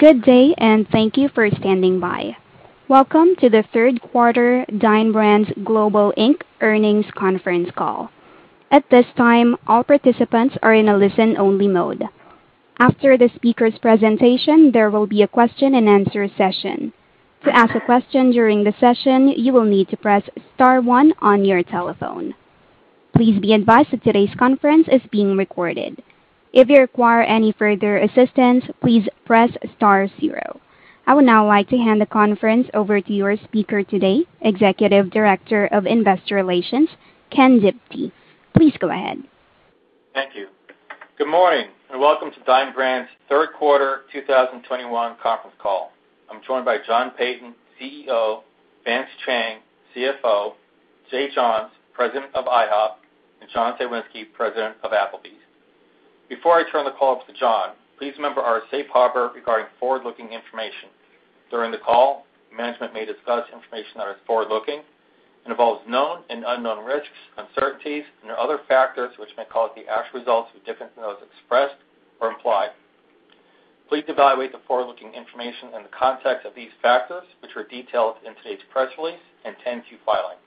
Good day, and thank you for standing by. Welcome to the Third Quarter Dine Brands Global Inc Earnings Conference Call. At this time, all participants are in a listen-only mode. After the speaker's presentation, there will be a question-and-answer session. To ask a question during the session, you will need to press star one on your telephone. Please be advised that today's conference is being recorded. If you require any further assistance, please press star zero. I would now like to hand the conference over to your speaker today, Executive Director of Investor Relations, Ken Diptee. Please go ahead. Thank you. Good morning and welcome to Dine Brands Global Third Quarter 2021 Conference Call. I'm joined by John Peyton, CEO, Vance Chang, CFO, Jay Johns, President of IHOP, and John Cywinski, President of Applebee's. Before I turn the call to John, please remember our safe harbor regarding forward-looking information. During the call, management may discuss information that is forward-looking and involves known and unknown risks, uncertainties and other factors which may cause the actual results to be different than those expressed or implied. Please evaluate the forward-looking information in the context of these factors, which are detailed in today's press release and 10-Q filing.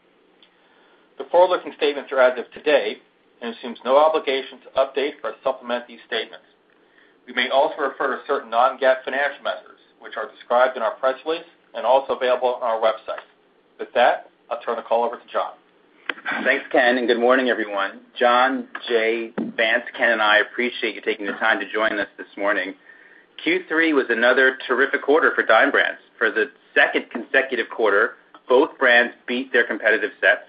The forward-looking statements are as of today and assumes no obligation to update or supplement these statements. We may also refer to certain non-GAAP financial measures which are described in our press release and also available on our website. With that, I'll turn the call over to John. Thanks, Ken, and good morning, everyone. John, Jay, Vance, Ken and I appreciate you taking the time to join us this morning. Q3 was another terrific quarter for Dine Brands Global. For the second consecutive quarter, both brands beat their competitive sets.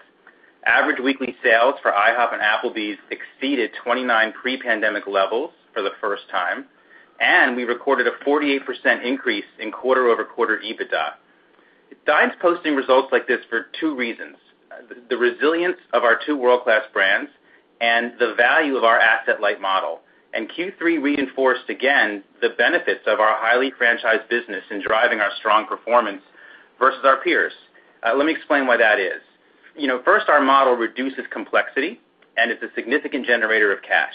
Average weekly sales for IHOP and Applebee's exceeded 129% pre-pandemic levels for the first time, and we recorded a 48% increase in quarter-over-quarter EBITDA. Dine Brands Global is posting results like this for two reasons, the resilience of our two world-class brands and the value of our asset-light model. Q3 reinforced again the benefits of our highly franchised business in driving our strong performance versus our peers. Let me explain why that is. You know, first, our model reduces complexity, and it's a significant generator of cash.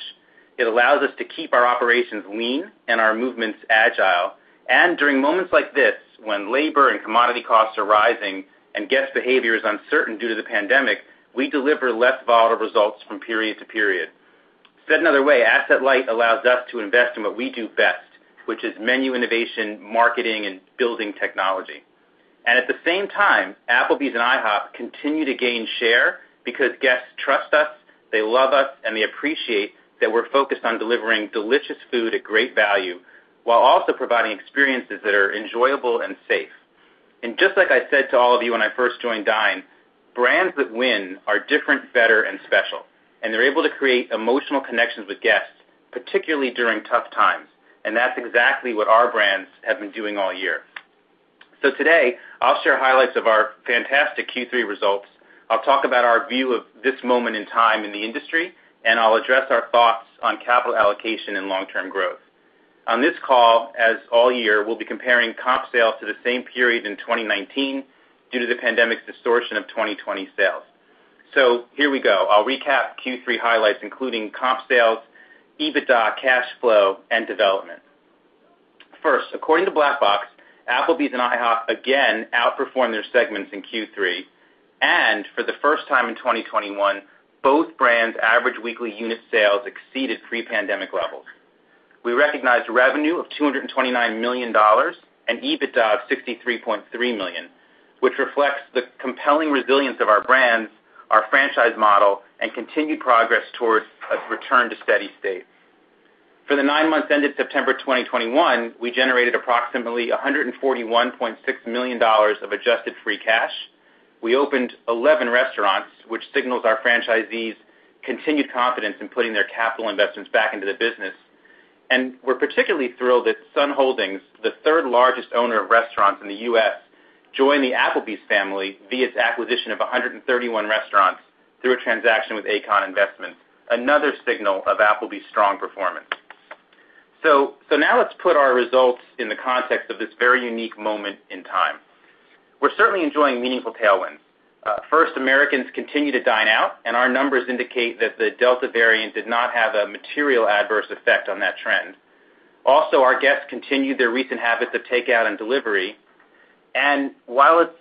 It allows us to keep our operations lean and our movements agile. During moments like this, when labor and commodity costs are rising and guest behavior is uncertain due to the pandemic, we deliver less volatile results from period to period. Said another way, asset light allows us to invest in what we do best, which is menu innovation, marketing, and building technology. At the same time, Applebee's and IHOP continue to gain share because guests trust us, they love us, and they appreciate that we're focused on delivering delicious food at great value while also providing experiences that are enjoyable and safe. Just like I said to all of you when I first joined Dine, brands that win are different, better and special, and they're able to create emotional connections with guests, particularly during tough times. That's exactly what our brands have been doing all year. Today I'll share highlights of our fantastic Q3 results. I'll talk about our view of this moment in time in the industry, and I'll address our thoughts on capital allocation and long-term growth. On this call, as all year, we'll be comparing comp sales to the same period in 2019 due to the pandemic distortion of 2020 sales. Here we go. I'll recap Q3 highlights including comp sales, EBITDA, cash flow, and development. First, according to Black Box, Applebee's and IHOP again outperformed their segments in Q3, and for the first time in 2021, both brands average weekly unit sales exceeded pre-pandemic levels. We recognized revenue of $229 million and EBITDA of $63.3 million, which reflects the compelling resilience of our brands, our franchise model, and continued progress towards a return to steady state. For the nine months ended September 2021, we generated approximately $141.6 million of adjusted free cash. We opened 11 restaurants, which signals our franchisees continued confidence in putting their capital investments back into the business. We're particularly thrilled that Sun Holdings, the third largest owner of restaurants in the U.S., joined the Applebee's family via its acquisition of 131 restaurants through a transaction with ACON Investments, another signal of Applebee's strong performance. Now let's put our results in the context of this very unique moment in time. We're certainly enjoying meaningful tailwinds. First, Americans continue to dine out, and our numbers indicate that the Delta variant did not have a material adverse effect on that trend. Also, our guests continued their recent habits of takeout and delivery. While it's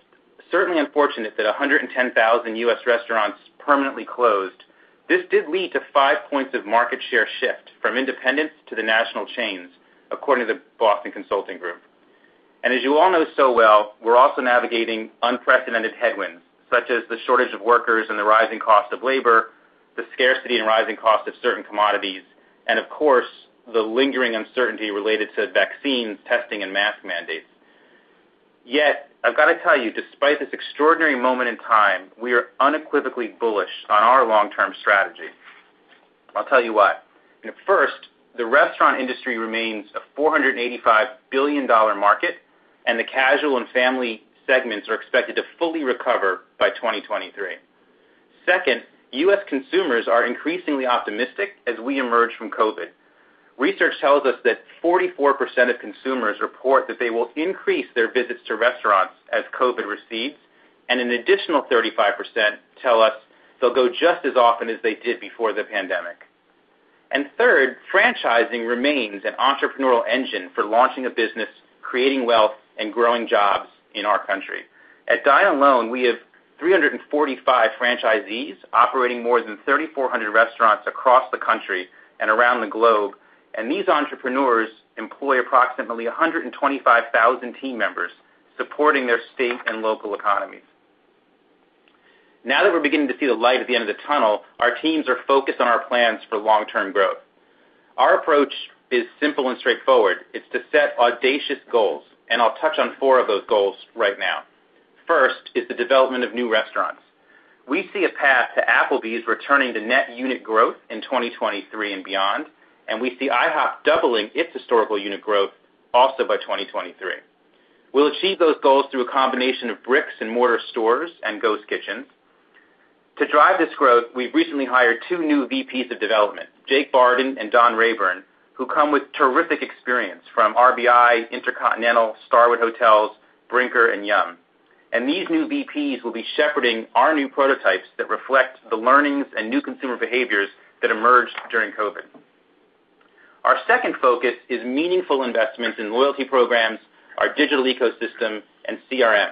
certainly unfortunate that 110,000 U.S. restaurants permanently closed, this did lead to five points of market share shift from independents to the national chains, according to Boston Consulting Group. As you all know so well, we're also navigating unprecedented headwinds such as the shortage of workers and the rising cost of labor, the scarcity and rising cost of certain commodities, and of course, the lingering uncertainty related to vaccines, testing and mask mandates. Yet I've got to tell you, despite this extraordinary moment in time, we are unequivocally bullish on our long-term strategy. I'll tell you why. First, the restaurant industry remains a $485 billion market, and the casual and family segments are expected to fully recover by 2023. Second, U.S. consumers are increasingly optimistic as we emerge from COVID. Research tells us that 44% of consumers report that they will increase their visits to restaurants as COVID recedes, and an additional 35%, tell us they'll go just as often as they did before the pandemic. Third, franchising remains an entrepreneurial engine for launching a business, creating wealth, and growing jobs in our country. At Dine alone, we have 345 franchisees operating more than 3,400 restaurants across the country and around the globe, and these entrepreneurs employ approximately 125,000 team members, supporting their state and local economies. Now that we're beginning to see the light at the end of the tunnel, our teams are focused on our plans for long-term growth. Our approach is simple and straightforward. It's to set audacious goals, and I'll touch on four of those goals right now. First is the development of new restaurants. We see a path to Applebee's returning to net unit growth in 2023 and beyond, and we see IHOP doubling its historical unit growth also by 2023. We'll achieve those goals through a combination of bricks-and-mortar stores and ghost kitchens. To drive this growth, we've recently hired two new VPs of development, Jake Barden and Don Rayburn, who come with terrific experience from RBI, InterContinental, Starwood Hotels, Brinker, and Yum!. These new VPs will be shepherding our new prototypes that reflect the learnings and new consumer behaviors that emerged during COVID. Our second focus is meaningful investments in loyalty programs, our digital ecosystem, and CRM.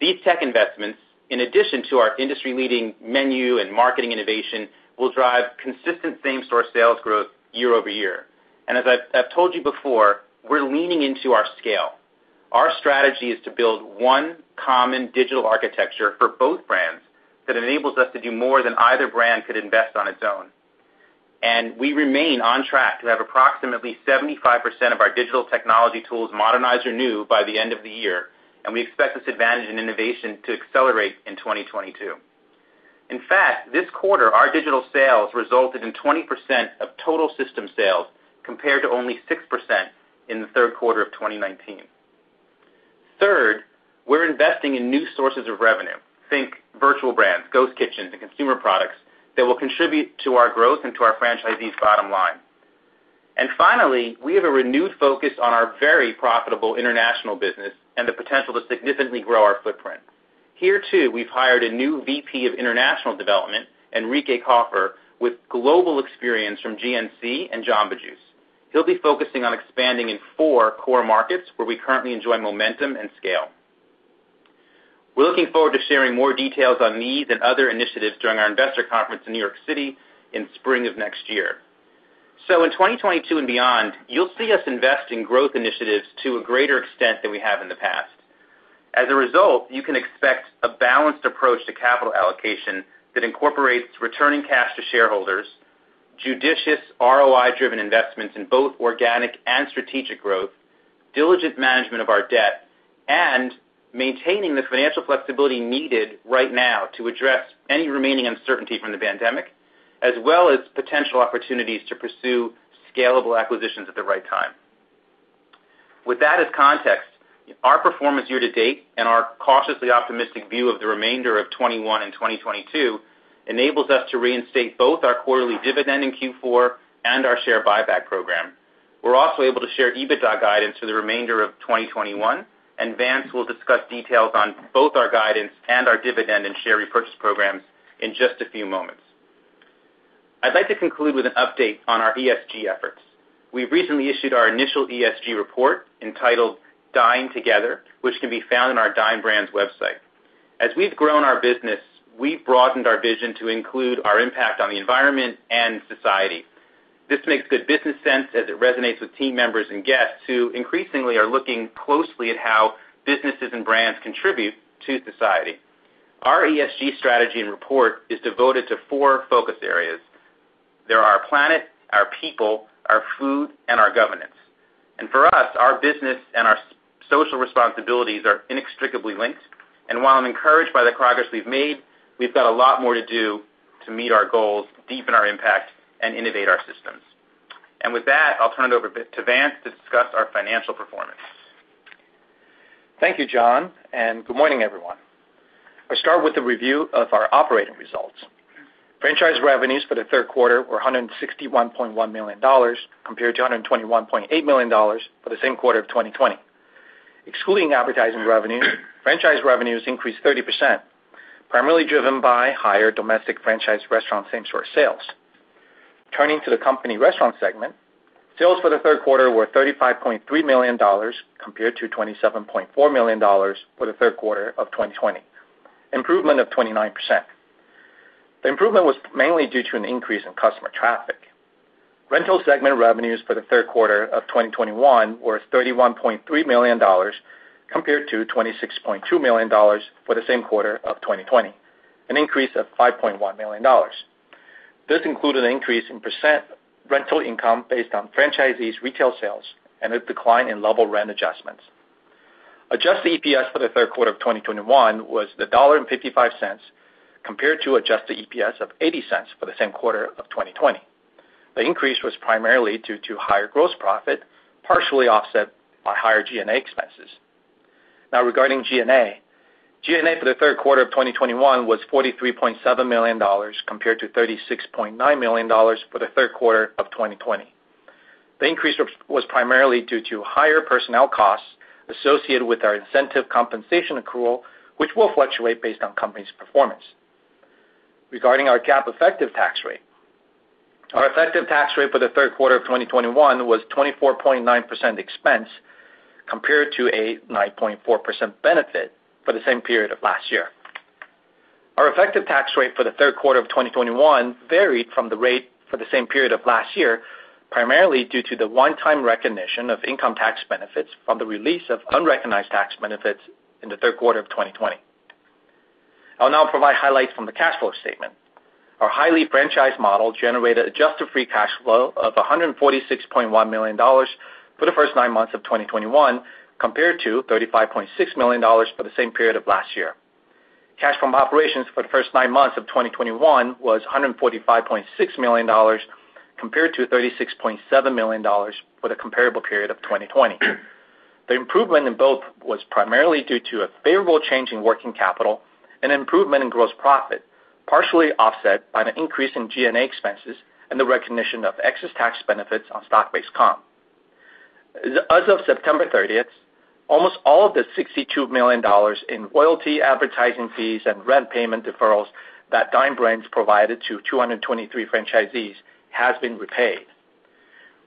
These tech investments, in addition to our industry-leading menu and marketing innovation, will drive consistent same-store sales growth year-over-year. As I've told you before, we're leaning into our scale. Our strategy is to build one common digital architecture for both brands, that enables us to do more than either brand could invest on its own. We remain on track to have approximately 75% of our digital technology tools modernized or new by the end of the year, and we expect this advantage in innovation to accelerate in 2022. In fact, this quarter, our digital sales resulted in 20% of total system sales, compared to only 6% in the third quarter of 2019. Third, we're investing in new sources of revenue, think virtual brands, ghost kitchens, and consumer products that will contribute to our growth and to our franchisees' bottom line. Finally, we have a renewed focus on our very profitable international business and the potential to significantly grow our footprint. Here, too, we've hired a new VP of International Development, Enrique Kaufer, with global experience from GNC and Jamba Juice. He'll be focusing on expanding in four core markets where we currently enjoy momentum and scale. We're looking forward to sharing more details on these and other initiatives during our investor conference in New York City in spring of next year. In 2022 and beyond, you'll see us invest in growth initiatives to a greater extent than we have in the past. As a result, you can expect a balanced approach to capital allocation that incorporates returning cash to shareholders, judicious ROI-driven investments in both organic and strategic growth, diligent management of our debt, and maintaining the financial flexibility needed right now to address any remaining uncertainty from the pandemic, as well as potential opportunities to pursue scalable acquisitions at the right time. With that as context, our performance year to date and our cautiously optimistic view of the remainder of 2021 and 2022 enables us to reinstate both our quarterly dividend in Q4 and our share buyback program. We're also able to share EBITDA guidance for the remainder of 2021, and Vance Chang will discuss details on both our guidance and our dividend and share repurchase programs in just a few moments. I'd like to conclude with an update on our ESG efforts. We recently issued our initial ESG report entitled Dine Together, which can be found on our Dine Brands Global website. As we've grown our business, we've broadened our vision to include our impact on the environment and society. This makes good business sense as it resonates with team members and guests who increasingly are looking closely at how businesses and brands contribute to society. Our ESG strategy and report is devoted to four focus areas. They are our planet, our people, our food, and our governance. For us, our business and our social responsibilities are inextricably linked, and while I'm encouraged by the progress we've made, we've got a lot more to do to meet our goals, deepen our impact, and innovate our systems. With that, I'll turn it over to Vance to discuss our financial performance. Thank you, John, and good morning, everyone. I start with a review of our operating results. Franchise revenues for the third quarter were $161.1 million, compared to $121.8 million for the same quarter of 2020. Excluding advertising revenue, franchise revenues increased 30%, primarily driven by higher domestic franchise restaurant same-store sales. Turning to the company restaurant segment, sales for the third quarter were $35.3 million, compared to $27.4 million for the third quarter of 2020, improvement of 29%. The improvement was mainly due to an increase in customer traffic. Rental segment revenues for the third quarter of 2021 were $31.3 million, compared to $26.2 million for the same quarter of 2020, an increase of $5.1 million. This included an increase in percent rental income based on franchisees' retail sales and a decline in level rent adjustments. Adjusted EPS for the third quarter of 2021 was $1.55, compared to adjusted EPS of $0.80, for the same quarter of 2020. The increase was primarily due to higher gross profit, partially offset by higher G&A expenses. Now, regarding G&A, G&A for the third quarter of 2021 was $43.7 million, compared to $36.9 million for the third quarter of 2020. The increase was primarily due to higher personnel costs associated with our incentive compensation accrual, which will fluctuate based on company's performance. Regarding our cap effective tax rate. Our effective tax rate for the third quarter of 2021 was 24.9% expense compared to a 9.4% benefit for the same period of last year. Our effective tax rate for the third quarter of 2021 varied from the rate for the same period of last year, primarily due to the one-time recognition of income tax benefits from the release of unrecognized tax benefits in the third quarter of 2020. I'll now provide highlights from the cash flow statement. Our highly franchised model generated adjusted free cash flow of $146.1 million for the first nine months of 2021, compared to $35.6 million for the same period of last year. Cash from operations for the first nine months of 2021 was $145.6 million compared to $36.7 million for the comparable period of 2020. The improvement in both was primarily due to a favorable change in working capital and improvement in gross profit, partially offset by an increase in G&A expenses and the recognition of excess tax benefits on stock-based comp. As of September 30th, almost all of the $62 million in royalty, advertising fees, and rent payment deferrals that Dine Brands provided to 223 franchisees has been repaid.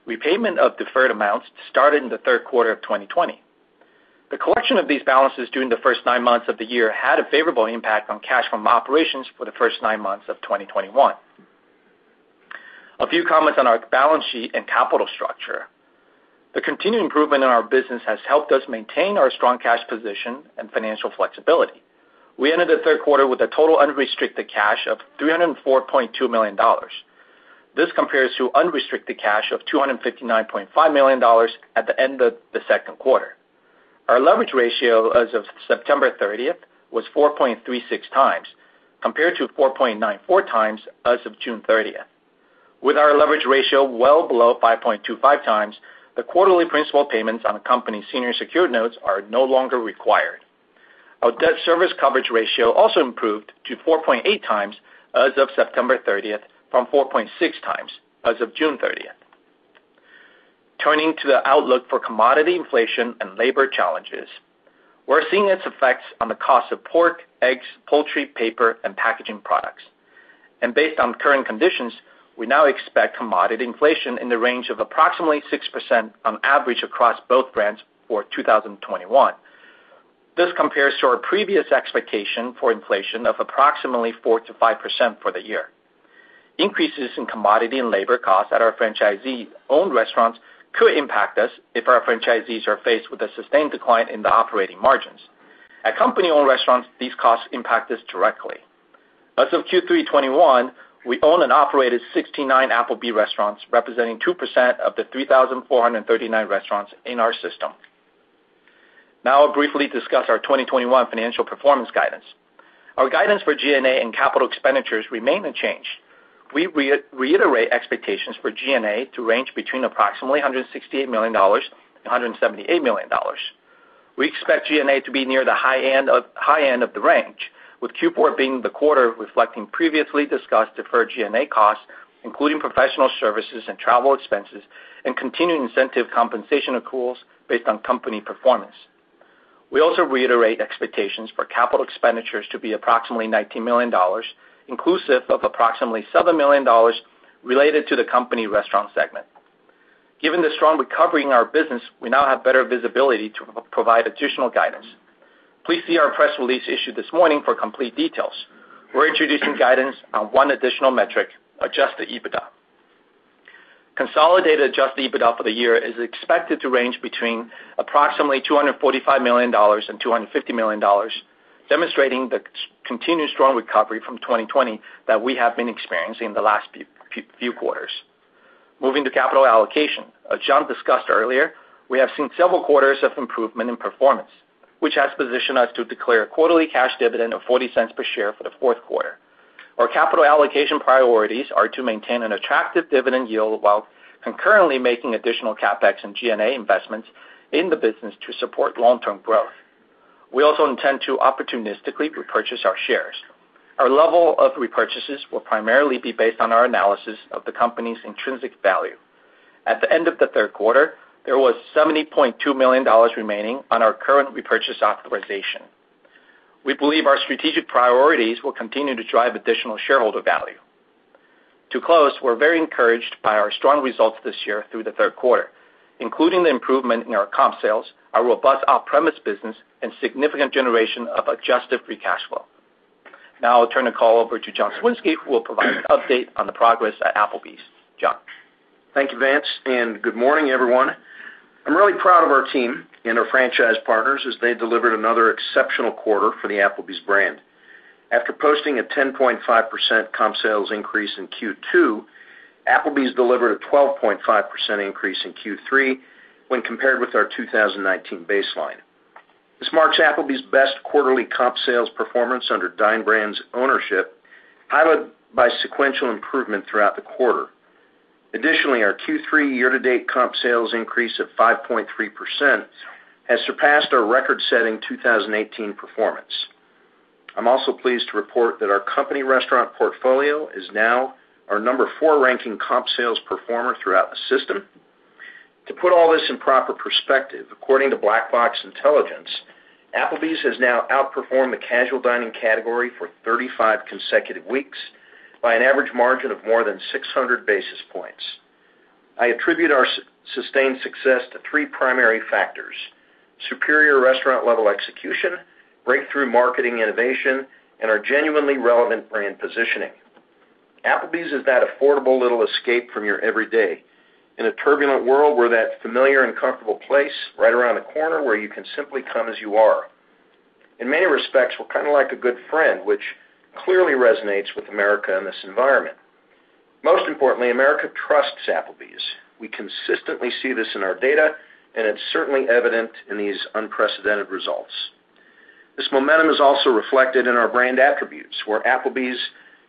Repayment of deferred amounts started in the third quarter of 2020. The collection of these balances during the first nine months of the year had a favorable impact on cash from operations for the first nine months of 2021. A few comments on our balance sheet and capital structure. The continued improvement in our business has helped us maintain our strong cash position and financial flexibility. We ended the third quarter with a total unrestricted cash of $304.2 million. This compares to unrestricted cash of $259.5 million at the end of the second quarter. Our leverage ratio as of September 30th was 4.36x, compared to 4.94x as of June 30th. With our leverage ratio well below 5.25x, the quarterly principal payments on the company's senior secured notes are no longer required. Our debt service coverage ratio also improved to 4.8x as of September 30th from 4.6x as of June 30th. Turning to the outlook for commodity inflation and labor challenges, we're seeing its effects on the cost of pork, eggs, poultry, paper, and packaging products. Based on current conditions, we now expect commodity inflation in the range of approximately 6% on average across both brands for 2021. This compares to our previous expectation for inflation of approximately 4%-5% for the year. Increases in commodity and labor costs at our franchisee-owned restaurants could impact us if our franchisees are faced with a sustained decline in the operating margins. At company-owned restaurants, these costs impact us directly. As of Q3 2021, we own and operated 69 Applebee's restaurants, representing 2% of the 3,439 restaurants in our system. Now I'll briefly discuss our 2021 financial performance guidance. Our guidance for G&A and capital expenditures remain unchanged. We reiterate expectations for G&A to range between approximately $168 million and $178 million. We expect G&A to be near the high end of the range, with Q4 being the quarter reflecting previously discussed deferred G&A costs, including professional services and travel expenses, and continuing incentive compensation accruals based on company performance. We also reiterate expectations for capital expenditures to be approximately $19 million, inclusive of approximately $7 million related to the company restaurant segment. Given the strong recovery in our business, we now have better visibility to provide additional guidance. Please see our press release issued this morning for complete details. We're introducing guidance on one additional metric, Adjusted EBITDA. Consolidated Adjusted EBITDA for the year is expected to range between approximately $245 million and $250 million, demonstrating the continued strong recovery from 2020, that we have been experiencing in the last few quarters. Moving to capital allocation. As John discussed earlier, we have seen several quarters of improvement in performance, which has positioned us to declare a quarterly cash dividend of $0.40 per share for the fourth quarter. Our capital allocation priorities are to maintain an attractive dividend yield, while concurrently making additional CapEx and G&A investments in the business to support long-term growth. We also intend to opportunistically repurchase our shares. Our level of repurchases will primarily be based on our analysis of the company's intrinsic value. At the end of the third quarter, there was $70.2 million remaining on our current repurchase authorization. We believe our strategic priorities will continue to drive additional shareholder value. To close, we're very encouraged by our strong results this year through the third quarter, including the improvement in our comp sales, our robust off-premise business, and significant generation of adjusted free cash flow. Now I'll turn the call over to John Cywinski, who will provide an update on the progress at Applebee's. John? Thank you, Vance, and good morning, everyone. I'm really proud of our team and our franchise partners as they delivered another exceptional quarter for the Applebee's brand. After posting a 10.5% comp sales increase in Q2, Applebee's delivered a 12.5% increase in Q3 when compared with our 2019 baseline. This marks Applebee's best quarterly comp sales performance under Dine Brands' ownership, highlighted by sequential improvement throughout the quarter. Additionally, our Q3 year-to-date comp sales increase of 5.3% has surpassed our record-setting 2018 performance. I'm also pleased to report that our company restaurant portfolio is now our No. four ranking comp sales performer throughout the system. To put all this in proper perspective, according to Black Box Intelligence, Applebee's has now outperformed the casual dining category for 35 consecutive weeks by an average margin of more than 600 basis points. I attribute our sustained success to three primary factors; superior restaurant-level execution, breakthrough marketing innovation, and our genuinely relevant brand positioning. Applebee's is that affordable little escape from your everyday. In a turbulent world, we're that familiar and comfortable place right around the corner where you can simply come as you are. In many respects, we're kind of like a good friend, which clearly resonates with America in this environment. Most importantly, America trusts Applebee's. We consistently see this in our data, and it's certainly evident in these unprecedented results. This momentum is also reflected in our brand attributes, where Applebee's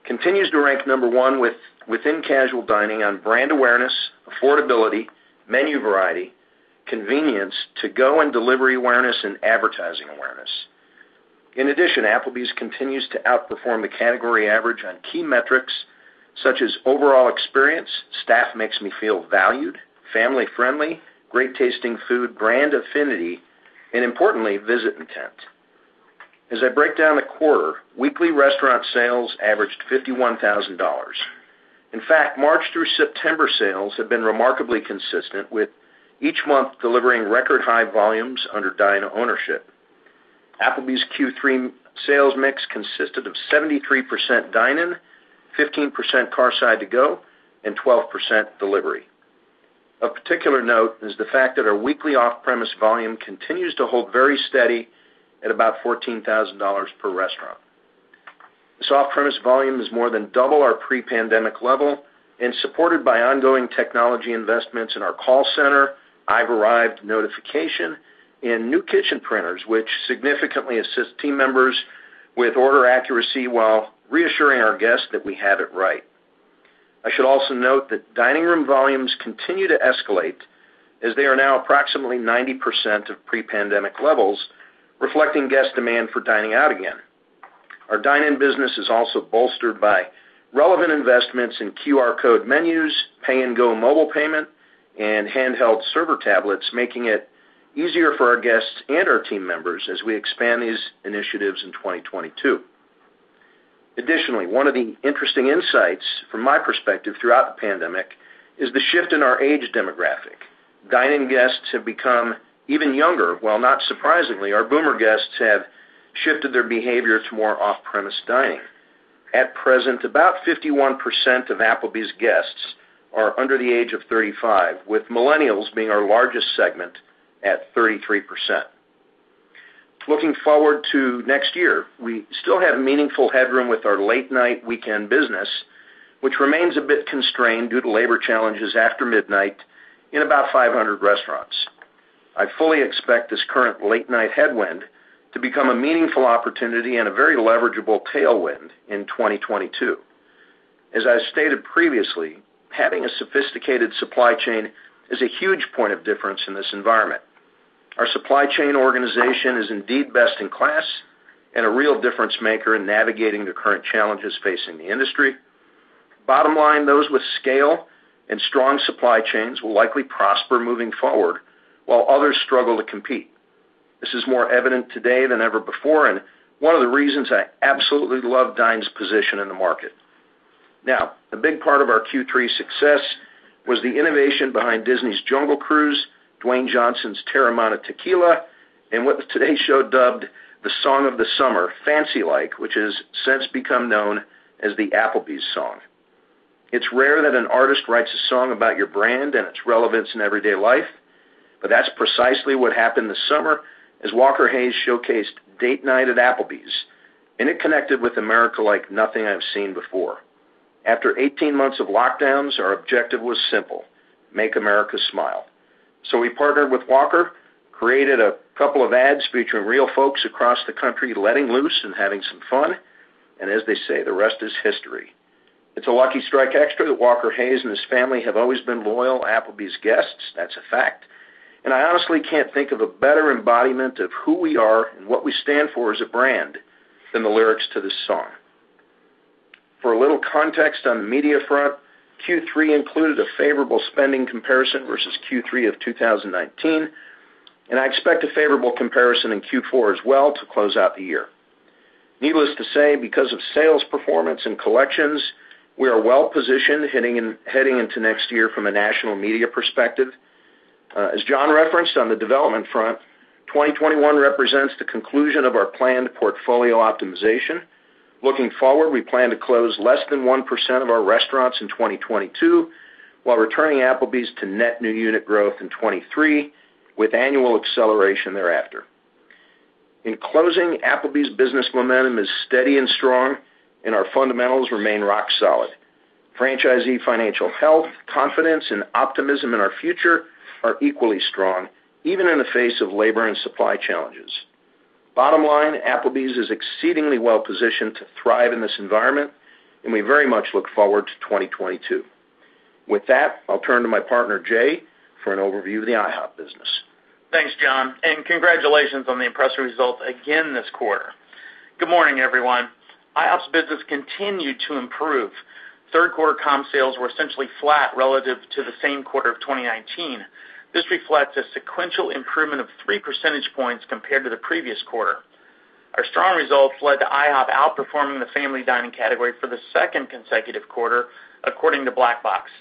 continues to rank number one within casual dining on brand awareness, affordability, menu variety, convenience, to-go and delivery awareness, and advertising awareness. In addition, Applebee's continues to outperform the category average on key metrics such as overall experience, staff makes me feel valued, family-friendly, great-tasting food, brand affinity, and importantly, visit intent. As I break down the quarter, weekly restaurant sales averaged $51,000. In fact, March through September sales have been remarkably consistent, with each month delivering record high volumes under Dine ownership. Applebee's Q3 sales mix consisted of 73% dine-in, 15% carside to-go, and 12% delivery. Of particular note is the fact that our weekly off-premise volume continues to hold very steady at about $14,000 per restaurant. This off-premise volume is more than double our pre-pandemic level and supported by ongoing technology investments in our call center, I've Arrived notification, and new kitchen printers, which significantly assist team members with order accuracy while reassuring our guests that we have it right. I should also note that dining room volumes continue to escalate as they are now approximately 90% of pre-pandemic levels, reflecting guest demand for dining out again. Our dine-in business is also bolstered by relevant investments in QR code menus, Pay N Go mobile payment, and handheld server tablets, making it easier for our guests and our team members as we expand these initiatives in 2022. Additionally, one of the interesting insights from my perspective throughout the pandemic is the shift in our age demographic. Dine-in guests have become even younger, while not surprisingly, our boomer guests have shifted their behavior to more off-premise dining. At present, about 51% of Applebee's guests are under the age of 35, with millennials being our largest segment at 33%. Looking forward to next year, we still have meaningful headroom with our late-night weekend business, which remains a bit constrained due to labor challenges after midnight in about 500 restaurants. I fully expect this current late-night headwind to become a meaningful opportunity and a very leverageable tailwind in 2022. As I stated previously, having a sophisticated supply chain is a huge point of difference in this environment. Our supply chain organization is indeed best in class and a real difference maker in navigating the current challenges facing the industry. Bottom line, those with scale and strong supply chains will likely prosper moving forward while others struggle to compete. This is more evident today than ever before, and one of the reasons I absolutely love Dine's position in the market. Now, a big part of our Q3 success was the innovation behind Disney's Jungle Cruise, Dwayne Johnson's Teremana Tequila, and what the Today Show dubbed the song of the summer, Fancy Like, which has since become known as the Applebee's song. It's rare that an artist writes a song about your brand and its relevance in everyday life, but that's precisely what happened this summer as Walker Hayes showcased date night at Applebee's, and it connected with America like nothing I've seen before. After eighteen months of lockdowns, our objective was simple: make America smile. We partnered with Walker, created a couple of ads featuring real folks across the country letting loose and having some fun, and as they say, the rest is history. It's a lucky strike extra that Walker Hayes and his family have always been loyal Applebee's guests. That's a fact. I honestly can't think of a better embodiment of who we are and what we stand for as a brand than the lyrics to this song. For a little context on the media front, Q3 included a favorable spending comparison versus Q3 of 2019, and I expect a favorable comparison in Q4 as well to close out the year. Needless to say, because of sales performance and collections, we are well positioned heading into next year from a national media perspective. As John referenced on the development front, 2021 represents the conclusion of our planned portfolio optimization. Looking forward, we plan to close less than 1% of our restaurants in 2022 while returning Applebee's to net new unit growth in 2023 with annual acceleration thereafter. In closing, Applebee's business momentum is steady and strong, and our fundamentals remain rock solid. Franchisee financial health, confidence, and optimism in our future are equally strong, even in the face of labor and supply challenges. Bottom line, Applebee's is exceedingly well positioned to thrive in this environment, and we very much look forward to 2022. With that, I'll turn to my partner, Jay, for an overview of the IHOP business. Thanks, John, and congratulations on the impressive results again this quarter. Good morning, everyone. IHOP's business continued to improve. Third quarter comp sales were essentially flat relative to the same quarter of 2019. This reflects a sequential improvement of 3 percentage points compared to the previous quarter. Our strong results led to IHOP outperforming the family dining category for the second consecutive quarter, according to Black Box.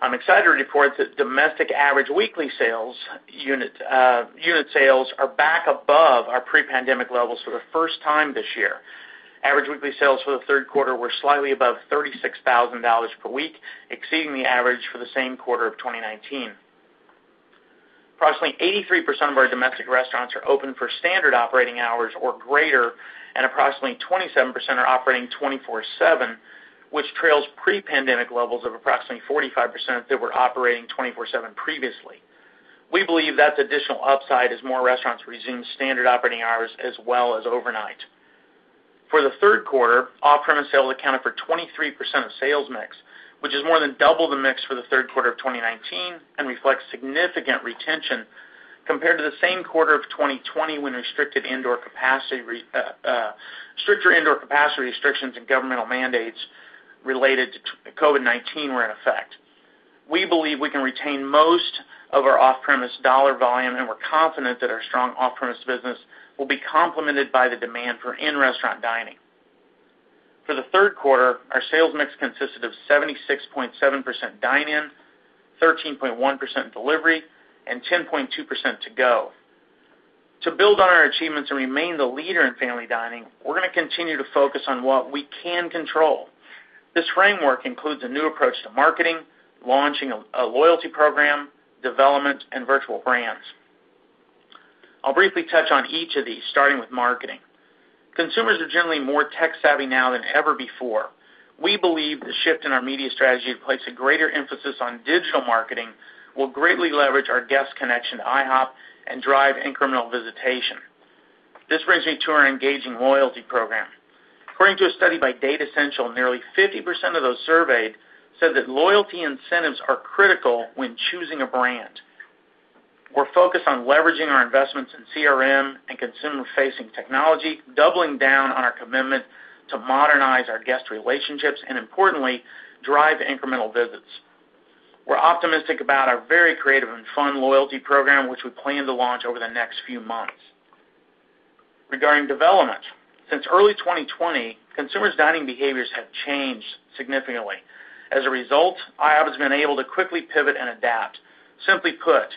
I'm excited to report that domestic average weekly sales, unit sales are back above our pre-pandemic levels for the first time this year. Average weekly sales for the third quarter were slightly above $36,000 per week, exceeding the average for the same quarter of 2019. Approximately 83% of our domestic restaurants are open for standard operating hours or greater, and approximately 27% are operating 24/7, which trails pre-pandemic levels of approximately 45% that were operating 24/7 previously. We believe that's additional upside as more restaurants resume standard operating hours as well as overnight. For the third quarter, off-premise sales accounted for 23% of sales mix, which is more than double the mix for the third quarter of 2019, and reflects significant retention compared to the same quarter of 2020 when stricter indoor capacity restrictions and governmental mandates related to COVID-19 were in effect. We believe we can retain most of our off-premise dollar volume, and we're confident that our strong off-premise business will be complemented by the demand for in-restaurant dining. For the third quarter, our sales mix consisted of 76.7% dine-in, 13.1% delivery, and 10.2% to go. To build on our achievements and remain the leader in family dining, we're gonna continue to focus on what we can control. This framework includes a new approach to marketing, launching a loyalty program, development, and virtual brands. I'll briefly touch on each of these, starting with marketing. Consumers are generally more tech-savvy now than ever before. We believe the shift in our media strategy to place a greater emphasis on digital marketing, will greatly leverage our guest connection to IHOP and drive incremental visitation. This brings me to our engaging loyalty program. According to a study by Datassential, nearly 50% of those surveyed said that loyalty incentives are critical when choosing a brand. We're focused on leveraging our investments in CRM and consumer-facing technology, doubling down on our commitment to modernize our guest relationships, and, importantly, drive incremental visits. We're optimistic about our very creative and fun loyalty program, which we plan to launch over the next few months. Regarding development, since early 2020, consumers' dining behaviors have changed significantly. As a result, IHOP has been able to quickly pivot and adapt. Simply put,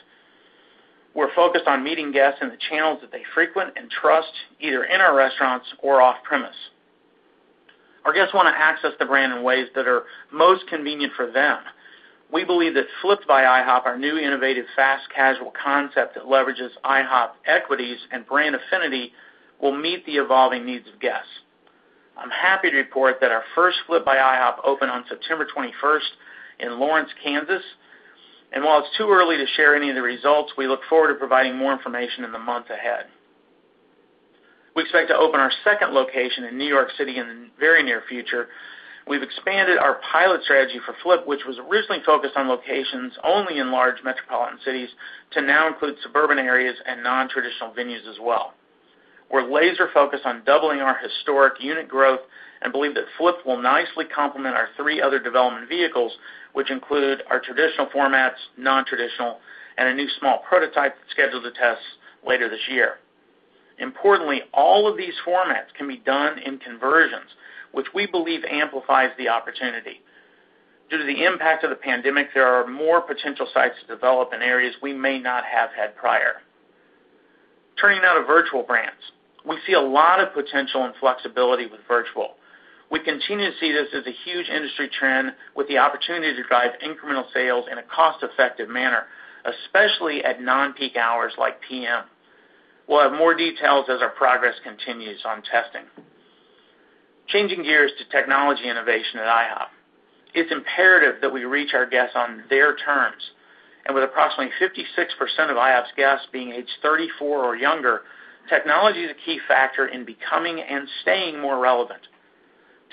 we're focused on meeting guests in the channels that they frequent and trust, either in our restaurants or off-premise. Our guests wanna access the brand in ways that are most convenient for them. We believe that flip'd by IHOP, our new innovative fast casual concept that leverages IHOP equities and brand affinity, will meet the evolving needs of guests. I'm happy to report that our first flip'd by IHOP opened on September 21 in Lawrence, Kansas. While it's too early to share any of the results, we look forward to providing more information in the months ahead. We expect to open our second location in New York City in the very near future. We've expanded our pilot strategy for flip'd, which was originally focused on locations only in large metropolitan cities to now include suburban areas and non-traditional venues as well. We're laser-focused on doubling our historic unit growth and believe that flip'd will nicely complement our three other development vehicles, which include our traditional formats, non-traditional, and a new small prototype scheduled to test later this year. Importantly, all of these formats can be done in conversions, which we believe amplifies the opportunity. Due to the impact of the pandemic, there are more potential sites to develop in areas we may not have had prior. Turning now to virtual brands. We see a lot of potential and flexibility with virtual. We continue to see this as a huge industry trend with the opportunity to drive incremental sales in a cost-effective manner, especially at non-peak hours like PM. We'll have more details as our progress continues on testing. Changing gears to technology innovation at IHOP. It's imperative that we reach our guests on their terms. With approximately 56% of IHOP's guests being age 34 or younger, technology is a key factor in becoming and staying more relevant.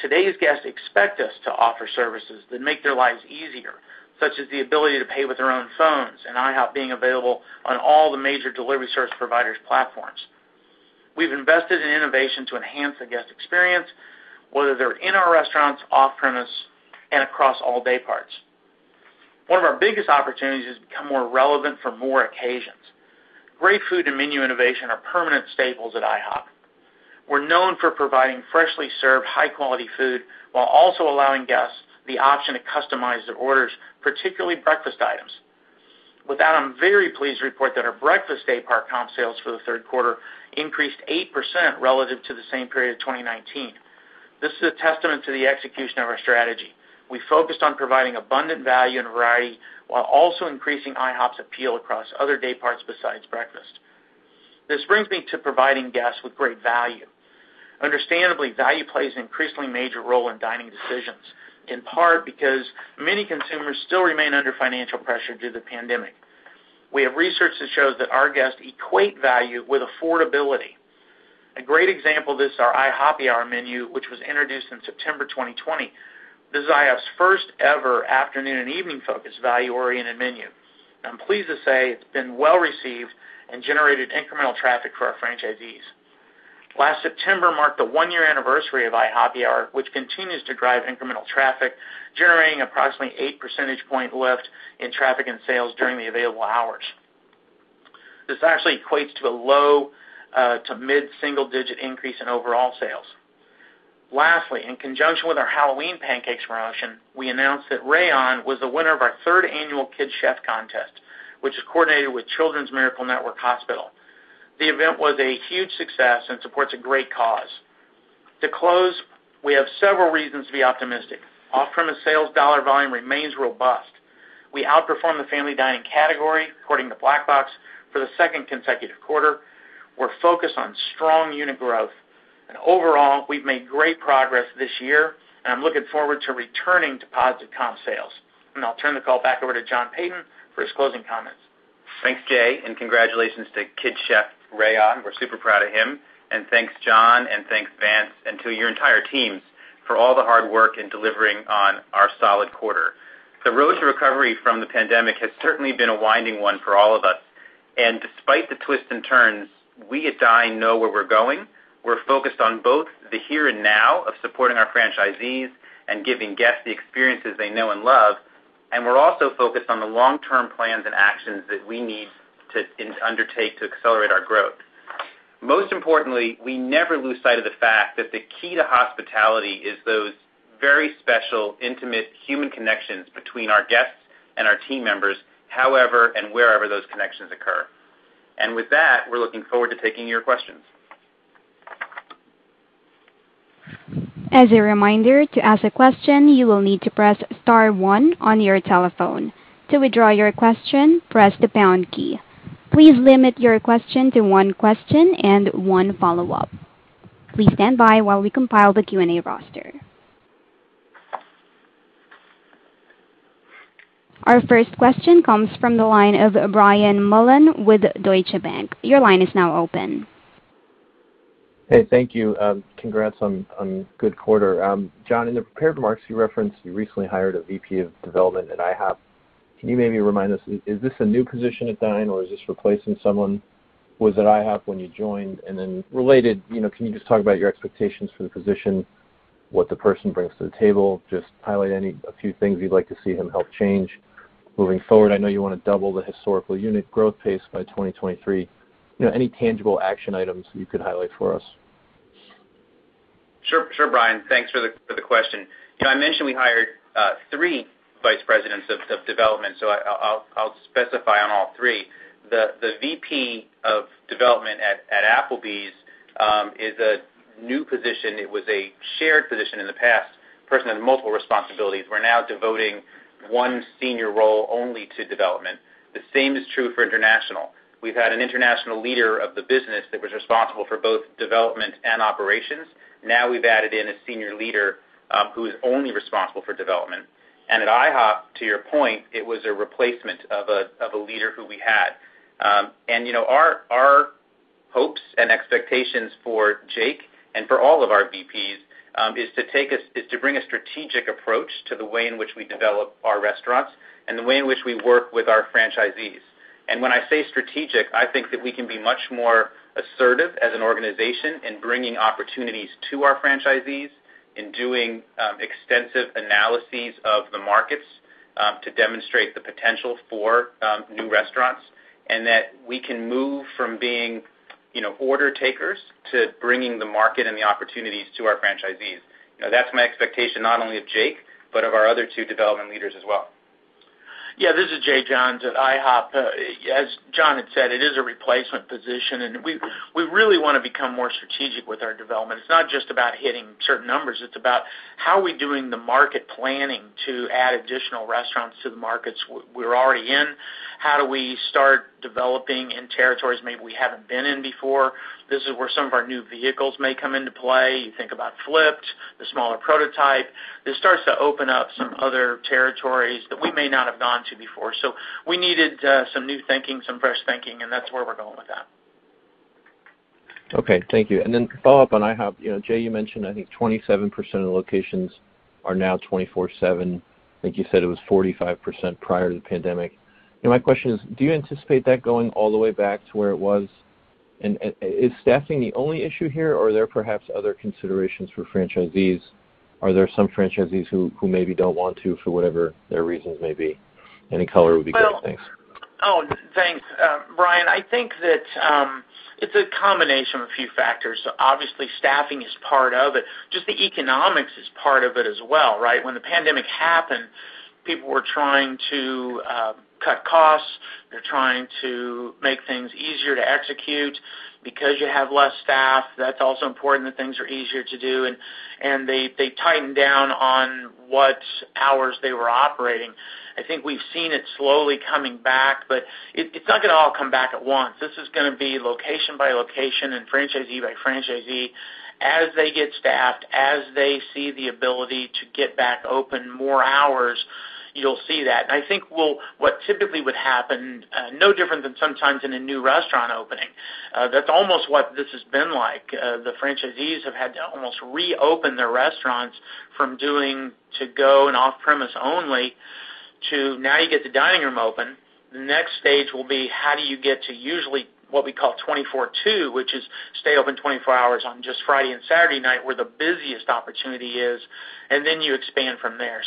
Today's guests expect us to offer services that make their lives easier, such as the ability to pay with their own phones and IHOP being available on all the major delivery service providers' platforms. We've invested in innovation to enhance the guest experience, whether they're in our restaurants, off-premise, and across all day parts. One of our biggest opportunities is to become more relevant for more occasions. Great food and menu innovation are permanent staples at IHOP. We're known for providing freshly served, high-quality food, while also allowing guests the option to customize their orders, particularly breakfast items. With that, I'm very pleased to report that our breakfast day part comp sales for the third quarter, increased 8% relative to the same period of 2019. This is a testament to the execution of our strategy. We focused on providing abundant value and variety while also increasing IHOP's appeal across other day parts besides breakfast. This brings me to providing guests with great value. Understandably, value plays an increasingly major role in dining decisions, in part because many consumers still remain under financial pressure due to the pandemic. We have research that shows that our guests equate value with affordability. A great example of this is our IHOPPY Hour menu, which was introduced in September 2020. This is IHOP's first ever afternoon and evening focused value-oriented menu. I'm pleased to say it's been well received and generated incremental traffic for our franchisees. Last September marked the one-year anniversary of IHOPPY Hour, which continues to drive incremental traffic, generating approximately 8 percentage point lift in traffic and sales during the available hours. This actually equates to a low to mid-single digit increase in overall sales. Lastly, in conjunction with our Halloween pancakes promotion, we announced that Ryan was the winner of our third annual Kid Chef contest, which is coordinated with Children's Miracle Network Hospitals. The event was a huge success and supports a great cause. To close, we have several reasons to be optimistic. Off-premise sales dollar volume remains robust. We outperformed the family dining category according to Black Box for the second consecutive quarter. We're focused on strong unit growth. Overall, we've made great progress this year, and I'm looking forward to returning to positive comp sales. I'll turn the call back over to John Peyton for his closing comments. Thanks, Jay, and congratulations to Kid Chef Ryan. We're super proud of him. Thanks, John, and thanks, Vance, and to your entire teams for all the hard work in delivering on our solid quarter. The road to recovery from the pandemic has certainly been a winding one for all of us. Despite the twists and turns, we at Dine know where we're going. We're focused on both the here and now of supporting our franchisees and giving guests the experiences they know and love. We're also focused on the long-term plans and actions that we need to undertake to accelerate our growth. Most importantly, we never lose sight of the fact that the key to hospitality is those very special, intimate human connections between our guests and our team members, however and wherever those connections occur. With that, we're looking forward to taking your questions. As a reminder, to ask a question, you will need to press star one on your telephone. To withdraw your question, press the pound key. Please limit your question to one question and one follow-up. Please stand by while we compile the Q&A roster. Our first question comes from the line of Brian Mullan with Deutsche Bank. Your line is now open. Hey, thank you. Congrats on good quarter. John, in the prepared remarks you referenced, you recently hired a VP of development at IHOP. Can you maybe remind us, is this a new position at Dine, or is this replacing someone? Was it at IHOP when you joined? Related, you know, can you just talk about your expectations for the position, what the person brings to the table? Just highlight a few things you'd like to see him help change moving forward. I know you wanna double the historical unit growth pace by 2023. You know, any tangible action items you could highlight for us? Sure. Sure, Brian. Thanks for the question. You know, I mentioned we hired three vice presidents of development, so I'll specify on all three. The VP of development at Applebee's is a new position. It was a shared position in the past. Person had multiple responsibilities. We're now devoting one senior role only to development. The same is true for international. We've had an international leader of the business that was responsible for both development and operations. Now we've added in a senior leader who is only responsible for development. At IHOP, to your point, it was a replacement of a leader who we had. You know, our hopes and expectations for Jake and for all of our VPs is to bring a strategic approach to the way in which we develop our restaurants and the way in which we work with our franchisees. When I say strategic, I think that we can be much more assertive as an organization in bringing opportunities to our franchisees, in doing extensive analyses of the markets to demonstrate the potential for new restaurants, and that we can move from being, you know, order takers to bringing the market and the opportunities to our franchisees. You know, that's my expectation not only of Jake, but of our other two development leaders as well. Yeah, this is Jay Johns at IHOP. As John had said, it is a replacement position, and we really wanna become more strategic with our development. It's not just about hitting certain numbers, it's about how are we doing the market planning to add additional restaurants to the markets we're already in? How do we start developing in territories maybe we haven't been in before? This is where some of our new vehicles may come into play. You think about Flip'd, the smaller prototype. This starts to open up some other territories that we may not have gone to before. We needed some new thinking, some fresh thinking, and that's where we're going with that. Okay. Thank you. To follow up on IHOP, you know, Jay, you mentioned I think 27% of the locations are now 24/7. I think you said it was 45% prior to the pandemic. You know, my question is, do you anticipate that going all the way back to where it was? Is staffing the only issue here, or are there perhaps other considerations for franchisees? Are there some franchisees who maybe don't want to for whatever their reasons may be? Any color would be great. Thanks. Oh, thanks, Brian. I think that, it's a combination of a few factors. Obviously staffing is part of it. Just the economics is part of it as well, right? When the pandemic happened, people were trying to cut costs. They're trying to make things easier to execute. Because you have less staff, that's also important that things are easier to do, and they tightened down on what hours they were operating. I think we've seen it slowly coming back, it's not gonna all come back at once. This is gonna be location by location and franchisee by franchisee as they get staffed, as they see the ability to get back open more hours. You'll see that. I think what typically would happen, no different than sometimes in a new restaurant opening, that's almost what this has been like. The franchisees have had to almost reopen their restaurants from doing to-go and off-premise only to now you get the dining room open. The next stage will be how do you get to usually what we call 24/2, which is stay open 24 hours on just Friday and Saturday night, where the busiest opportunity is, and then you expand from there.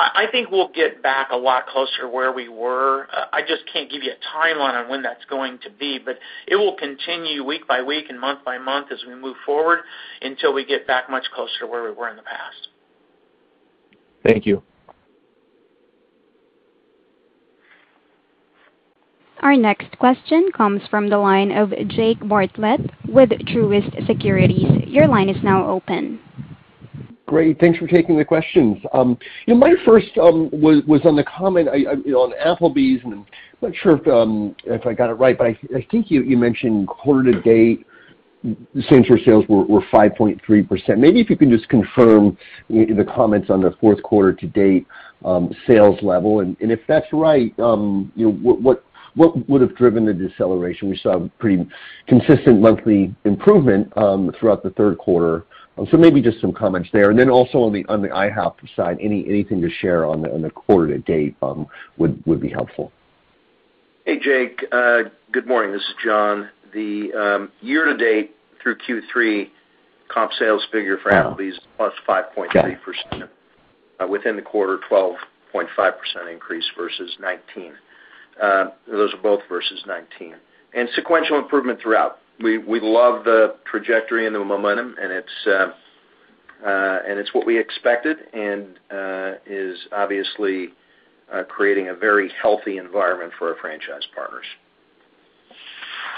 I think we'll get back a lot closer to where we were. I just can't give you a timeline on when that's going to be, but it will continue week by week and month by month as we move forward, until we get back much closer to where we were in the past. Thank you. Our next question comes from the line of Jake Bartlett with Truist Securities. Your line is now open. Great. Thanks for taking the questions. You know, my first was on the comment. You know, on Applebee's, and I'm not sure if I got it right, but I think you mentioned quarter to date same store sales were 5.3%. Maybe if you can just confirm the comments on the fourth quarter to date sales level, and if that's right, you know, what would have driven the deceleration. We saw pretty consistent monthly improvement throughout the third quarter. Maybe just some comments there. Then also on the IHOP side, anything to share on the quarter to date would be helpful. Hey, Jake. Good morning. This is John. The year to date through Q3 comp sales figure for Applebee's is +5.3%. Got it. Within the quarter, 12.5% increase versus 2019. Those are both versus 2019. Sequential improvement throughout. We love the trajectory and the momentum and it's what we expected and is obviously creating a very healthy environment for our franchise partners.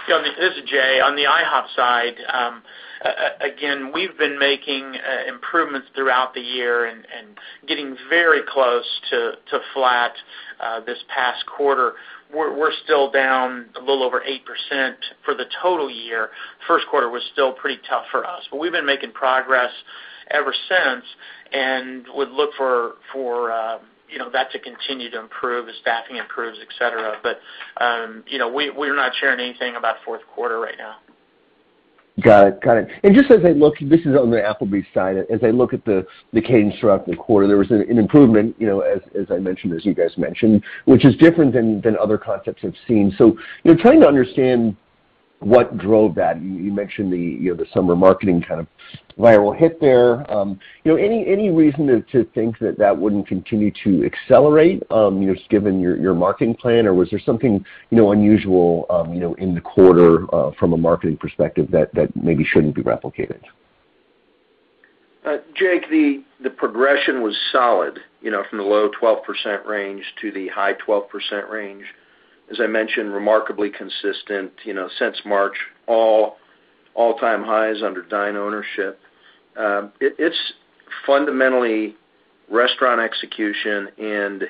John, this is Jay. On the IHOP side, again, we've been making improvements throughout the year and getting very close to flat this past quarter. We're still down a little over 8% for the total year. First quarter was still pretty tough for us, but we've been making progress ever since and would look for that to continue to improve as staffing improves, et cetera. You know, we're not sharing anything about fourth quarter right now. Got it. Just as I look, this is on the Applebee's side, as I look at the cadence throughout the quarter, there was an improvement, you know, as I mentioned, as you guys mentioned, which is different than other concepts I've seen. You know, trying to understand what drove that. You mentioned, you know, the summer marketing kind of viral hit there. You know, any reason to think that wouldn't continue to accelerate, just given your marketing plan? Or was there something, you know, unusual, you know, in the quarter, from a marketing perspective that maybe shouldn't be replicated? Jake, the progression was solid, you know, from the low 12% range to the high 12% range. As I mentioned, remarkably consistent, you know, since March, all-time highs under Dine ownership. It's fundamentally restaurant execution and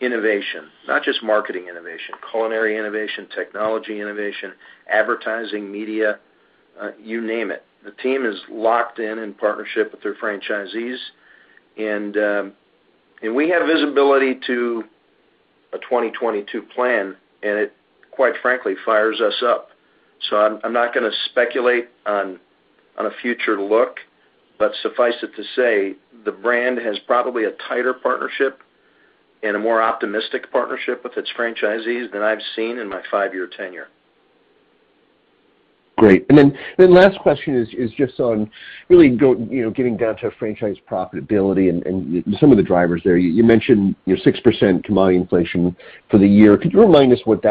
innovation, not just marketing innovation, culinary innovation, technology innovation, advertising, media, you name it. The team is locked in partnership with their franchisees. We have visibility to a 2022 plan, and it quite frankly fires us up. I'm not gonna speculate on a future look, but suffice it to say the brand has probably a tighter partnership and a more optimistic partnership with its franchisees than I've seen in my five-year tenure. Great. Last question is just on, you know, getting down to franchise profitability and some of the drivers there. You mentioned your 6% commodity inflation for the year. Could you remind us what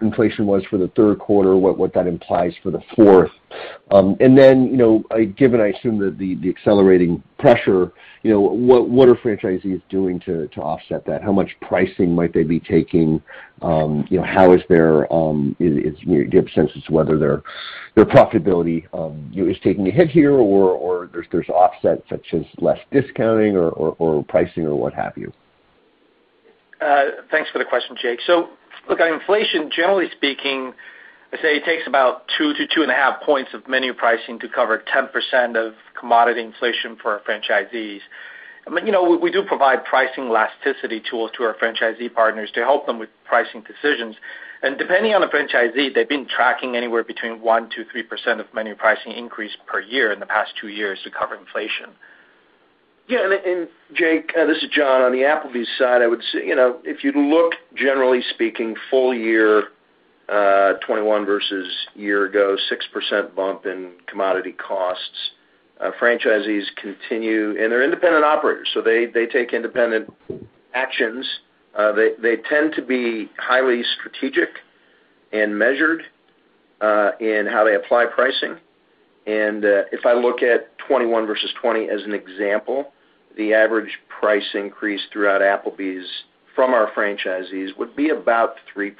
inflation was for the third quarter, what that implies for the fourth? You know, given I assume that the accelerating pressure, you know, what are franchisees doing to offset that? How much pricing might they be taking? You know, how is their profitability, you know, give a sense as to whether their profitability is taking a hit here or there's offsets such as less discounting or pricing or what have you. Thanks for the question, Jake. Look, on inflation, generally speaking, let's say it takes about 2-2.5 points of menu pricing to cover 10% of commodity inflation for our franchisees. I mean, you know, we do provide pricing elasticity tools to our franchisee partners to help them with pricing decisions. Depending on the franchisee, they've been tracking anywhere between 1%-3% of menu pricing increase per year in the past two years to cover inflation. Jake, this is John. On the Applebee's side, I would say, you know, if you look generally speaking full year 2021 versus year ago, 6% bump in commodity costs. Franchisees continue and they're independent operators, so they take independent actions. They tend to be highly strategic and measured in how they apply pricing. If I look at 2021 versus 2020 as an example, the average price increase throughout Applebee's from our franchisees would be about 3%.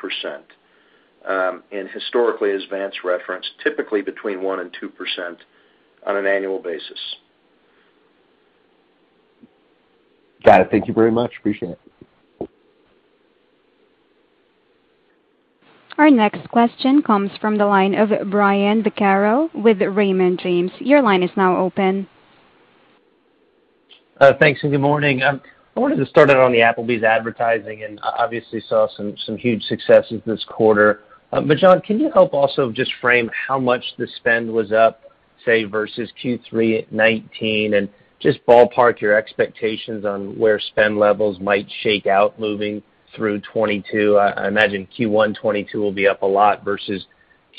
Historically, as Vance referenced, typically between 1% and 2% on an annual basis. Got it. Thank you very much. Appreciate it. Our next question comes from the line of Brian Vaccaro with Raymond James. Your line is now open. Thanks, good morning. I wanted to start out on the Applebee's advertising, and obviously saw some huge successes this quarter. John, can you help also just frame how much the spend was up, say, versus Q3 2019, and just ballpark your expectations on where spend levels might shake out moving through 2022? I imagine Q1 2022 will be up a lot versus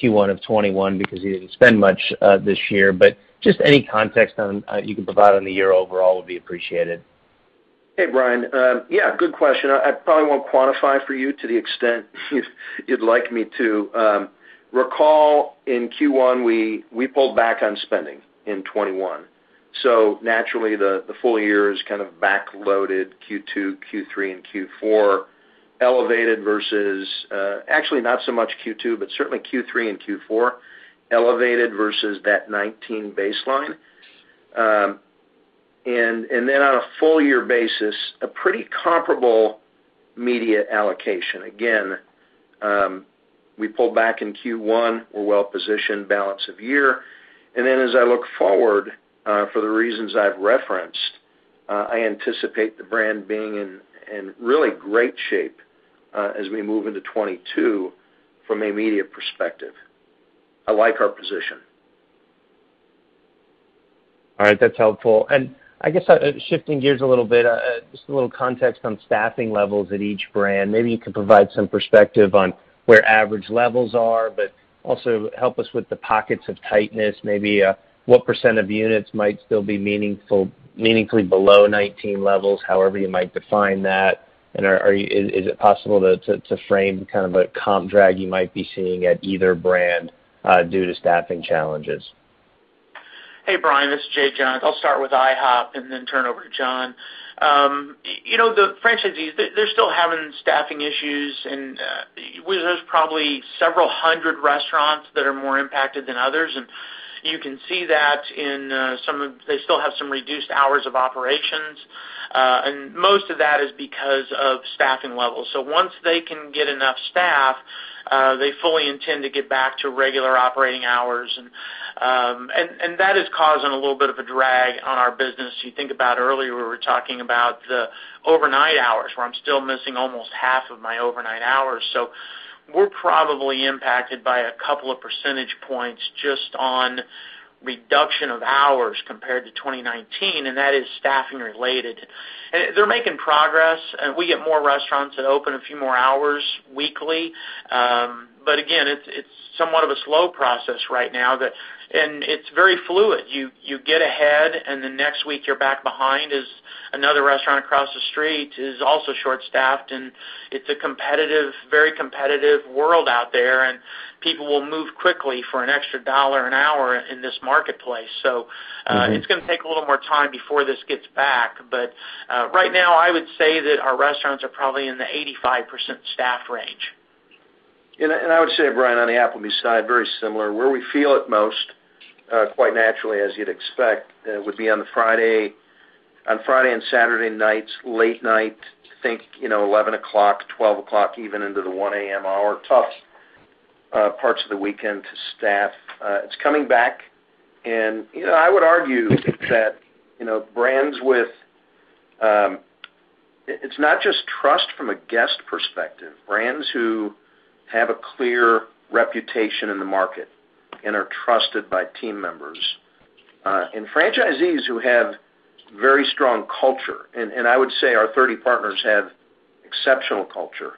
Q1 2021 because you didn't spend much this year. Just any context you can provide on the year overall would be appreciated. Hey, Brian. Yeah, good question. I probably won't quantify for you to the extent you'd like me to. Recall in Q1, we pulled back on spending in 2021. Naturally, the full year is kind of backloaded Q2, Q3, and Q4, elevated versus actually not so much Q2, but certainly Q3 and Q4, elevated versus that 2019 baseline. Then on a full year basis, a pretty comparable media allocation. Again, we pulled back in Q1. We're well positioned for the balance of the year. Then as I look forward, for the reasons I've referenced, I anticipate the brand being in really great shape as we move into 2022 from a media perspective. I like our position. All right. That's helpful. I guess, shifting gears a little bit, just a little context on staffing levels at each brand. Maybe you could provide some perspective on where average levels are, but also help us with the pockets of tightness, maybe, what percent of units might still be meaningfully below 19 levels, however you might define that, and is it possible to frame kind of a comp drag you might be seeing at either brand, due to staffing challenges? Hey, Brian, this is Jay Johns. I'll start with IHOP and then turn over to John. You know, the franchisees, they're still having staffing issues and, there's probably several hundred restaurants that are more impacted than others. You can see that in, they still have some reduced hours of operations, and most of that is because of staffing levels. Once they can get enough staff, they fully intend to get back to regular operating hours. That is causing a little bit of a drag on our business. You think about earlier, we were talking about the overnight hours, where I'm still missing almost half of my overnight hours. We're probably impacted by a couple of percentage points just on reduction of hours compared to 2019, and that is staffing related. They're making progress. We get more restaurants that open a few more hours weekly. Again, it's somewhat of a slow process right now that it's very fluid. You get ahead, and the next week you're back behind as another restaurant across the street is also short-staffed. It's a competitive, very competitive world out there, and people will move quickly for an extra $1 an hour in this marketplace. It's gonna take a little more time before this gets back. Right now I would say that our restaurants are probably in the 85% staff range. I would say, Brian, on the Applebee's side, very similar. Where we feel it most, quite naturally as you'd expect, would be on Friday and Saturday nights, late night, you know, 11:00 P.M., 12:00 A.M., even into the 1:00 A.M. hour, tough parts of the weekend to staff. It's coming back. You know, I would argue that, you know, brands with. It's not just trust from a guest perspective, brands who have a clear reputation in the market and are trusted by team members, and franchisees who have very strong culture, and I would say our 30 partners have exceptional culture.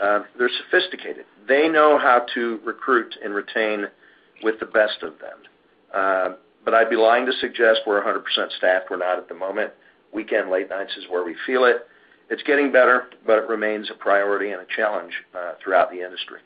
They're sophisticated. They know how to recruit and retain with the best of them. But I'd be lying to suggest we're 100% staffed. We're not at the moment. Weekend, late nights is where we feel it. It's getting better, but it remains a priority and a challenge throughout the industry.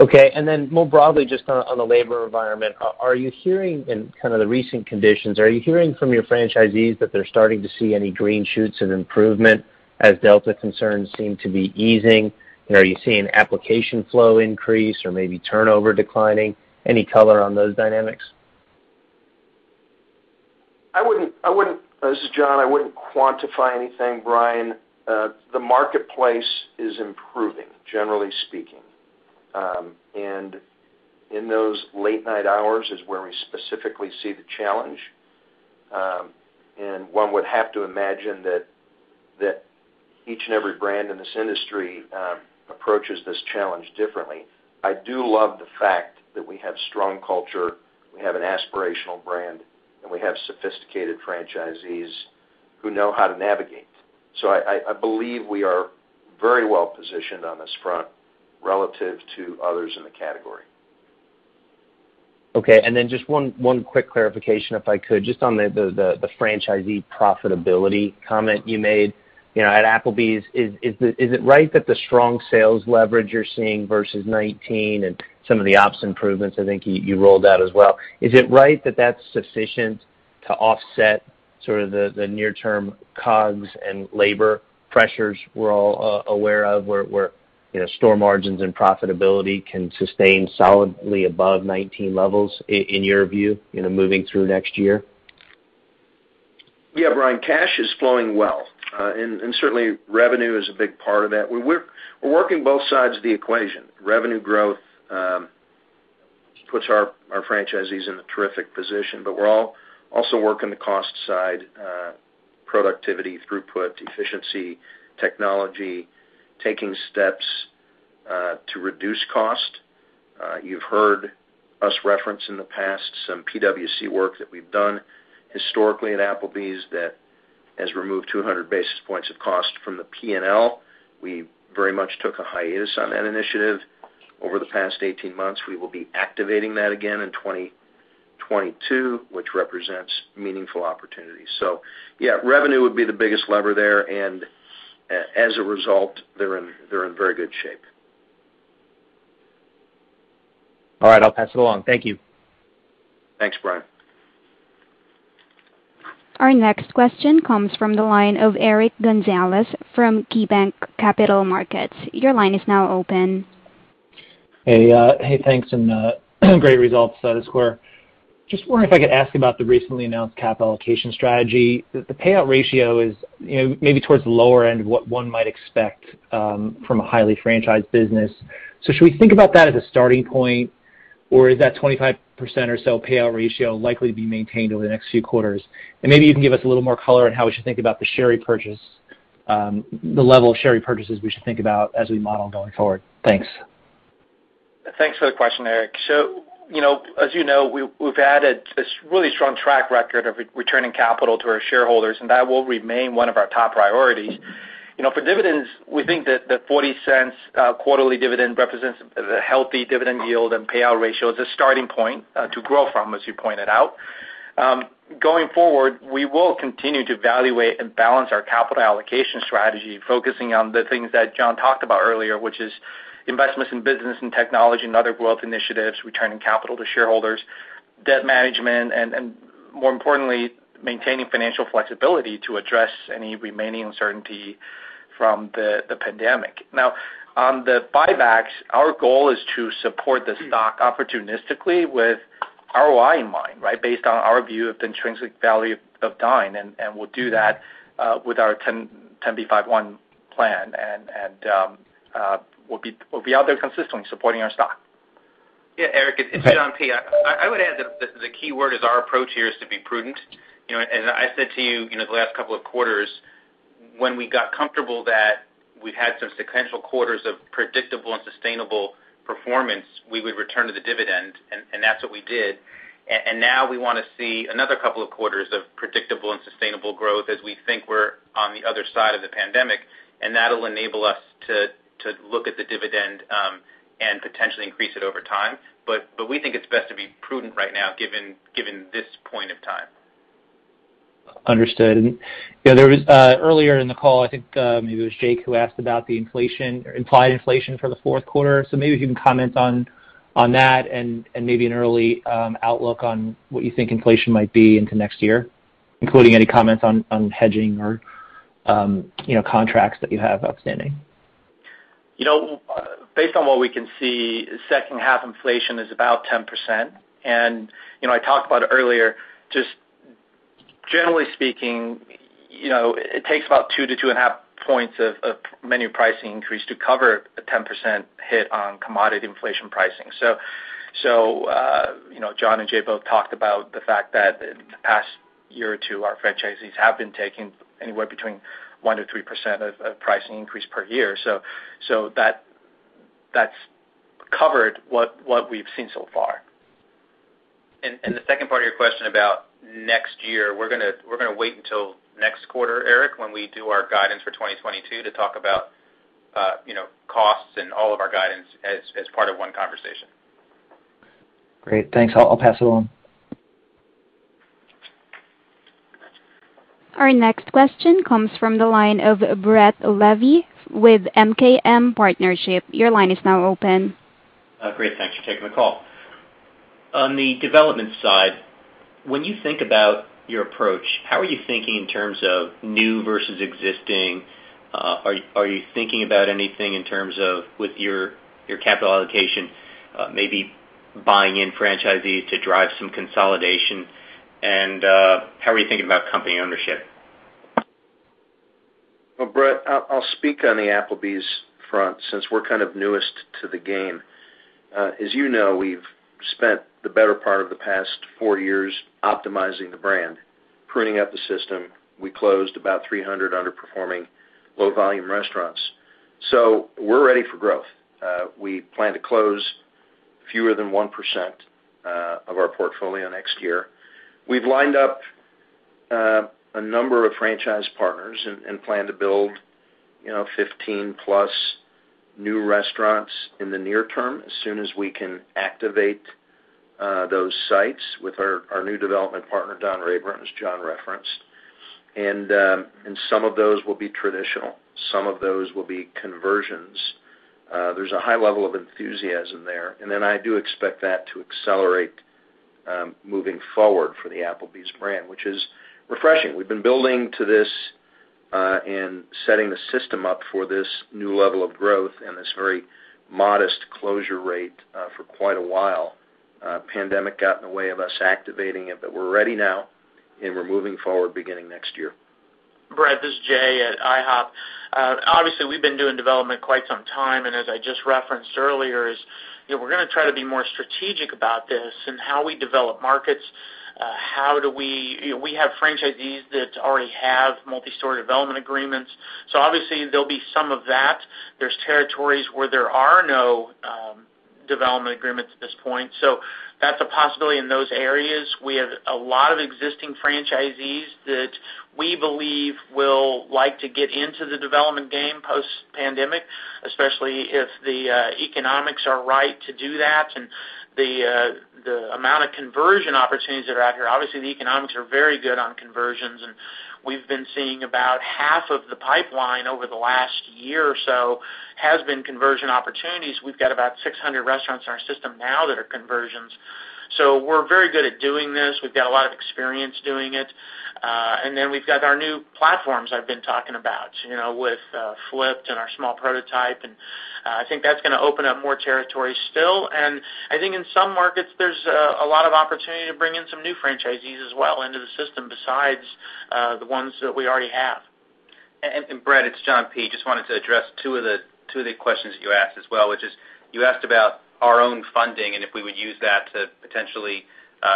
Okay. More broadly, just on the labor environment, are you hearing in kind of the recent conditions from your franchisees that they're starting to see any green shoots of improvement as Delta concerns seem to be easing? You know, are you seeing application flow increase or maybe turnover declining? Any color on those dynamics? This is John. I wouldn't quantify anything, Brian. The marketplace is improving, generally speaking. In those late night hours is where we specifically see the challenge. One would have to imagine that each and every brand in this industry approaches this challenge differently. I do love the fact that we have strong culture, we have an aspirational brand, and we have sophisticated franchisees who know how to navigate. I believe we are very well positioned on this front relative to others in the category. Okay. Just one quick clarification, if I could, just on the franchisee profitability comment you made. You know, at Applebee's, is it right that the strong sales leverage you're seeing versus 2019 and some of the ops improvements I think you rolled out as well is sufficient to offset sort of the near term COGS and labor pressures we're all aware of, where, you know, store margins and profitability can sustain solidly above 2019 levels in your view, moving through next year? Yeah, Brian, cash is flowing well. Certainly revenue is a big part of that. We're working both sides of the equation. Revenue growth puts our franchisees in a terrific position, but we're also working the cost side, productivity, throughput, efficiency, technology, taking steps to reduce cost. You've heard us reference in the past some PwC work that we've done historically at Applebee's that has removed 200 basis points of cost from the P&L. We very much took a hiatus on that initiative over the past 18 months. We will be activating that again in 2022, which represents meaningful opportunities. Yeah, revenue would be the biggest lever there, and as a result, they're in very good shape. All right, I'll pass it along. Thank you. Thanks, Brian. Our next question comes from the line of Eric Gonzalez from KeyBanc Capital Markets. Your line is now open. Hey, thanks, great results out of the quarter. Just wondering if I could ask about the recently announced capital allocation strategy. The payout ratio is, you know, maybe towards the lower end of what one might expect from a highly franchised business. Should we think about that as a starting point, or is that 25% or so payout ratio likely to be maintained over the next few quarters? Maybe you can give us a little more color on how we should think about the share repurchase, the level of share repurchases we should think about as we model going forward. Thanks. Thanks for the question, Eric. You know, as you know, we've added this really strong track record of returning capital to our shareholders, and that will remain one of our top priorities. You know, for dividends, we think that the $0.40 quarterly dividend represents a healthy dividend yield and payout ratio as a starting point to grow from, as you pointed out. Going forward, we will continue to evaluate and balance our capital allocation strategy, focusing on the things that John talked about earlier, which is investments in business and technology and other growth initiatives, returning capital to shareholders, debt management, and more importantly, maintaining financial flexibility to address any remaining uncertainty from the pandemic. Now, on the buybacks, our goal is to support the stock opportunistically with ROI in mind, right? Based on our view of the intrinsic value of Dine, and we'll do that with our 10b5-1 plan. We'll be out there consistently supporting our stock. Yeah, Eric, it's John Peyton. I would add that the key word is our approach here is to be prudent. You know, I said to you know, the last couple of quarters, when we got comfortable that we had some sequential quarters of predictable and sustainable performance, we would return to the dividend, and that's what we did. Now we want to see another couple of quarters of predictable and sustainable growth as we think we're on the other side of the pandemic, and that'll enable us to look at the dividend and potentially increase it over time. But we think it's best to be prudent right now, given this point in time. Understood. You know, there was earlier in the call, I think, maybe it was Jake who asked about the inflation or implied inflation for the fourth quarter. Maybe if you can comment on that and maybe an early outlook on what you think inflation might be into next year, including any comments on hedging or, you know, contracts that you have outstanding. You know, based on what we can see, second half inflation is about 10%. You know, I talked about it earlier, just generally speaking, you know, it takes about 2-2.5 points of menu pricing increase to cover a 10% hit on commodity inflation pricing. You know, John and JP both talked about the fact that in the past year or two, our franchisees have been taking anywhere between 1%-3% pricing increase per year. That covers what we've seen so far. The second part of your question about next year, we're gonna wait until next quarter, Eric, when we do our guidance for 2022 to talk about, you know, costs and all of our guidance as part of one conversation. Great. Thanks. I'll pass it along. Our next question comes from the line of Brett Levy with MKM Partners. Your line is now open. Great. Thanks for taking the call. On the development side, when you think about your approach, how are you thinking in terms of new versus existing? Are you thinking about anything in terms of with your capital allocation, maybe buying in franchisees to drive some consolidation? How are you thinking about company ownership? Well, Brett, I'll speak on the Applebee's front since we're kind of newest to the game. As you know, we've spent the better part of the past four years optimizing the brand, pruning up the system. We closed about 300 underperforming low volume restaurants. We're ready for growth. We plan to close fewer than 1% of our portfolio next year. We've lined up a number of franchise partners and plan to build, you know, 15+ new restaurants in the near term as soon as we can activate those sites with our new development partner, Don Rayburn, as John referenced. Some of those will be traditional, some of those will be conversions. There's a high level of enthusiasm there, and then I do expect that to accelerate, moving forward for the Applebee's brand, which is refreshing. We've been building to this, and setting the system up for this new level of growth and this very modest closure rate, for quite a while. Pandemic got in the way of us activating it, but we're ready now, and we're moving forward beginning next year. Brett, this is Jay at IHOP. Obviously, we've been doing development quite some time, and as I just referenced earlier is, you know, we're gonna try to be more strategic about this and how we develop markets. You know, we have franchisees that already have multi-store development agreements. So obviously, there'll be some of that. There's territories where there are no development agreements at this point. So that's a possibility in those areas. We have a lot of existing franchisees that we believe will like to get into the development game post-pandemic, especially if the economics are right to do that and the amount of conversion opportunities that are out here. Obviously, the economics are very good on conversions, and we've been seeing about half of the pipeline over the last year or so has been conversion opportunities. We've got about 600 restaurants in our system now that are conversions. We're very good at doing this. We've got a lot of experience doing it. We've got our new platforms I've been talking about, you know, with flip'd and our small prototype, and I think that's gonna open up more territory still. I think in some markets, there's a lot of opportunity to bring in some new franchisees as well into the system besides the ones that we already have. Brett, it's John Peyton. Just wanted to address two of the questions that you asked as well, which is you asked about our own funding and if we would use that to potentially,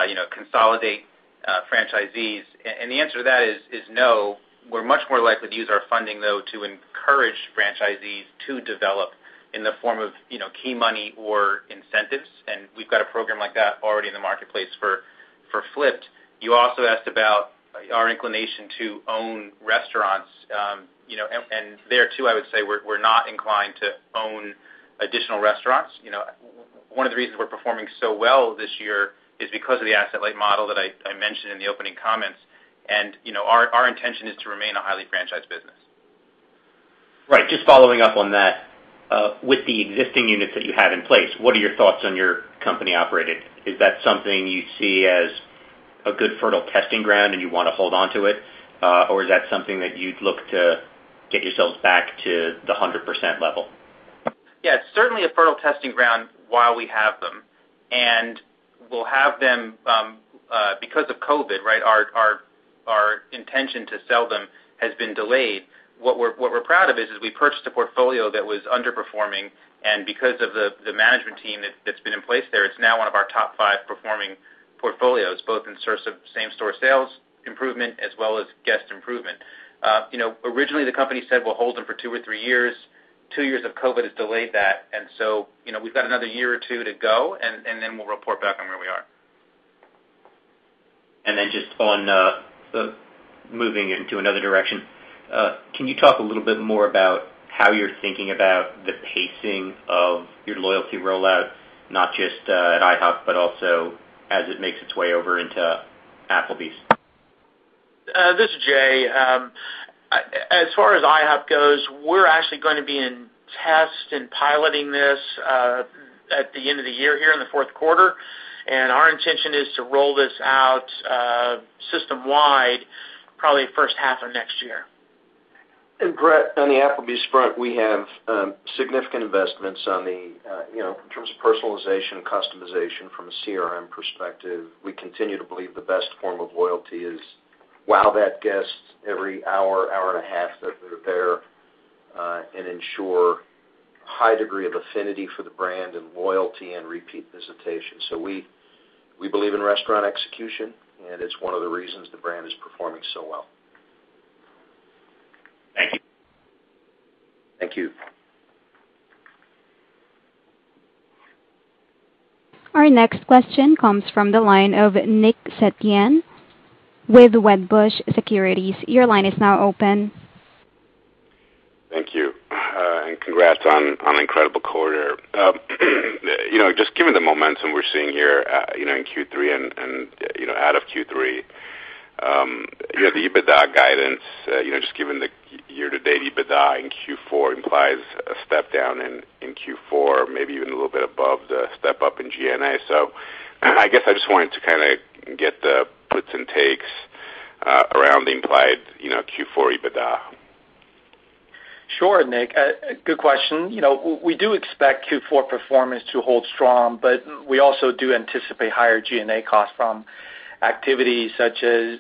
you know, consolidate franchisees. The answer to that is no. We're much more likely to use our funding, though, to encourage franchisees to develop in the form of, you know, key money or incentives, and we've got a program like that already in the marketplace for Flip'd. You also asked about our inclination to own restaurants, you know, and there too, I would say we're not inclined to own additional restaurants. You know, one of the reasons we're performing so well this year is because of the asset-light model that I mentioned in the opening comments. You know, our intention is to remain a highly franchised business. Right. Just following up on that. With the existing units that you have in place, what are your thoughts on your company operated? Is that something you see as a good fertile testing ground, and you wanna hold onto it? Or is that something that you'd look to get yourselves back to the 100% level? Yeah, it's certainly a fertile testing ground while we have them, and we'll have them because of COVID, right? Our intention to sell them has been delayed. What we're proud of is we purchased a portfolio that was underperforming, and because of the management team that's been in place there, it's now one of our top five performing portfolios, both in terms of same-store sales improvement as well as guest improvement. You know, originally, the company said we'll hold them for two or three years. Two years of COVID has delayed that. You know, we've got another year or two to go, and then we'll report back on where we are. Can you talk a little bit more about how you're thinking about the pacing of your loyalty rollout, not just at IHOP, but also as it makes its way over into Applebee's? This is Jay. As far as IHOP goes, we're actually gonna be in test and piloting this at the end of the year here in the fourth quarter. Our intention is to roll this out system-wide probably first half of next year. Brett, on the Applebee's front, we have significant investments on the you know in terms of personalization and customization from a CRM perspective. We continue to believe the best form of loyalty is wow that guest every hour and a half that they're there and ensure high degree of affinity for the brand and loyalty and repeat visitation. We believe in restaurant execution, and it's one of the reasons the brand is performing so well. Thank you. Thank you. Our next question comes from the line of Nick Setyan with Wedbush Securities. Your line is now open. Thank you, and congrats on incredible quarter. You know, just given the momentum we're seeing here, you know, in Q3 and, you know, out of Q3, you have the EBITDA guidance, you know, just given the year-to-date EBITDA in Q4 implies a step down in Q4, maybe even a little bit above the step-up in G&A. I guess I just wanted to kinda get the puts and takes around the implied Q4 EBITDA. Sure, Nick. Good question. You know, we do expect Q4 performance to hold strong, but we also do anticipate higher G&A costs from activities such as,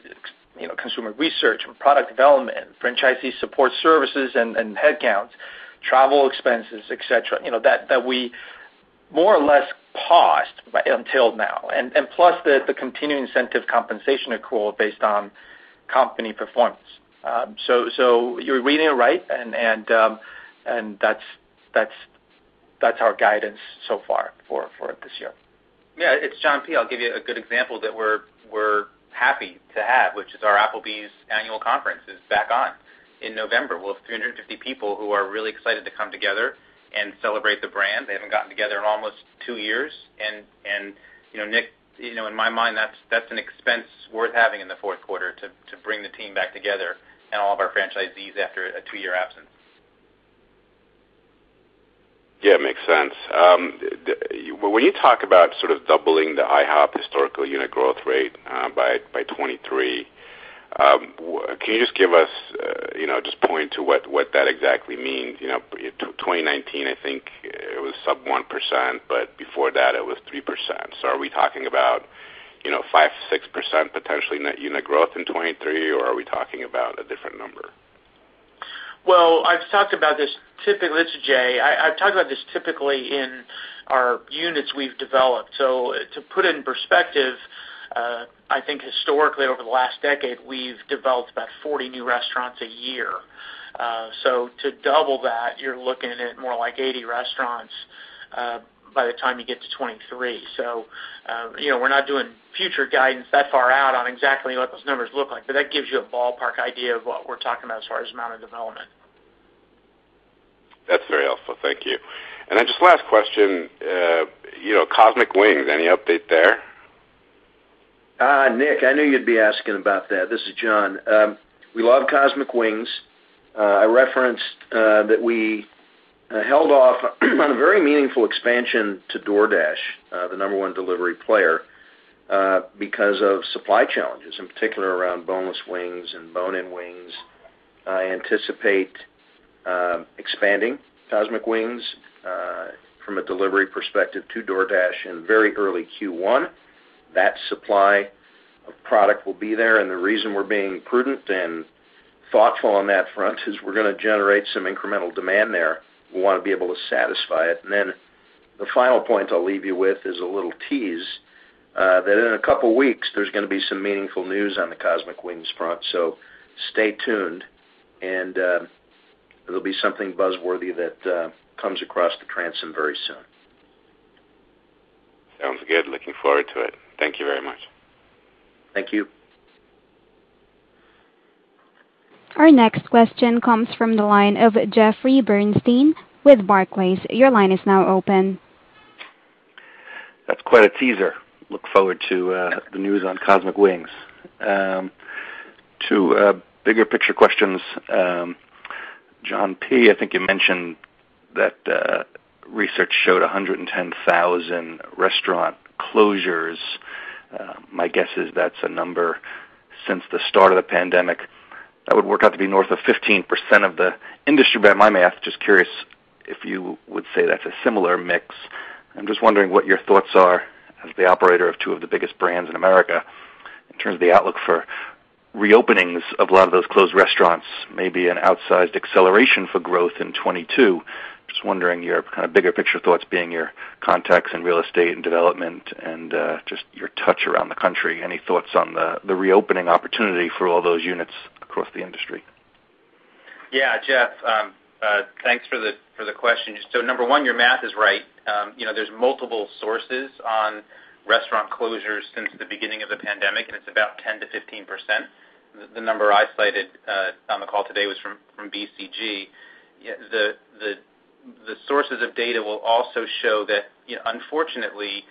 you know, consumer research and product development, franchisee support services and headcounts, travel expenses, et cetera, you know, that we more or less paused up until now. Plus the continuing incentive compensation accrual based on company performance. You're reading it right and that's our guidance so far for this year. Yeah. It's John Peyton. I'll give you a good example that we're happy to have, which is our Applebee's annual conference is back on in November. We'll have 350 people who are really excited to come together and celebrate the brand. They haven't gotten together in almost two years. You know, Nick, you know, in my mind, that's an expense worth having in the fourth quarter to bring the team back together and all of our franchisees after a two-year absence. Yeah, makes sense. When you talk about sort of doubling the IHOP historical unit growth rate by 2023, can you just give us, you know, just point to what that exactly means? You know, 2019, I think it was sub 1%, but before that it was 3%. Are we talking about, you know, 5, 6% potentially net unit growth in 2023, or are we talking about a different number? Well, this is Jay. I've talked about this typically in our units we've developed. To put it in perspective, I think historically over the last decade, we've developed about 40 new restaurants a year. To double that, you're looking at more like 80 restaurants by the time you get to 2023. You know, we're not doing future guidance that far out on exactly what those numbers look like. That gives you a ballpark idea of what we're talking about as far as amount of development. That's very helpful. Thank you. Just last question. You know, Cosmic Wings, any update there? Nick, I knew you'd be asking about that. This is John. We love Cosmic Wings. I referenced that we held off on a very meaningful expansion to DoorDash, the number one delivery player, because of supply challenges, in particular around boneless wings and bone-in wings. I anticipate expanding Cosmic Wings from a delivery perspective to DoorDash in very early Q1. That supply of product will be there, and the reason we're being prudent and thoughtful on that front is we're gonna generate some incremental demand there. We wanna be able to satisfy it. The final point I'll leave you with is a little tease that in a couple weeks there's gonna be some meaningful news on the Cosmic Wings front. So stay tuned, and it'll be something buzz-worthy that comes across the transom very soon. Sounds good. Looking forward to it. Thank you very much. Thank you. Our next question comes from the line of Jeffrey Bernstein with Barclays. Your line is now open. That's quite a teaser. Look forward to the news on Cosmic Wings. To bigger picture questions, John Peyton, I think you mentioned that research showed 110,000 restaurant closures. My guess is that's a number since the start of the pandemic. That would work out to be north of 15% of the industry by my math. Just curious if you would say that's a similar mix. I'm just wondering what your thoughts are as the operator of two of the biggest brands in America in terms of the outlook for reopenings of a lot of those closed restaurants, maybe an outsized acceleration for growth in 2022. Just wondering your kind of bigger picture thoughts, being your contacts in real estate and development and just your touch around the country. Any thoughts on the reopening opportunity for all those units across the industry? Yeah. Jeff, thanks for the question. Number one, your math is right. You know, there's multiple sources on restaurant closures since the beginning of the pandemic, and it's about 10%-15%. The number I cited on the call today was from BCG. The sources of data will also show that, you know, unfortunately,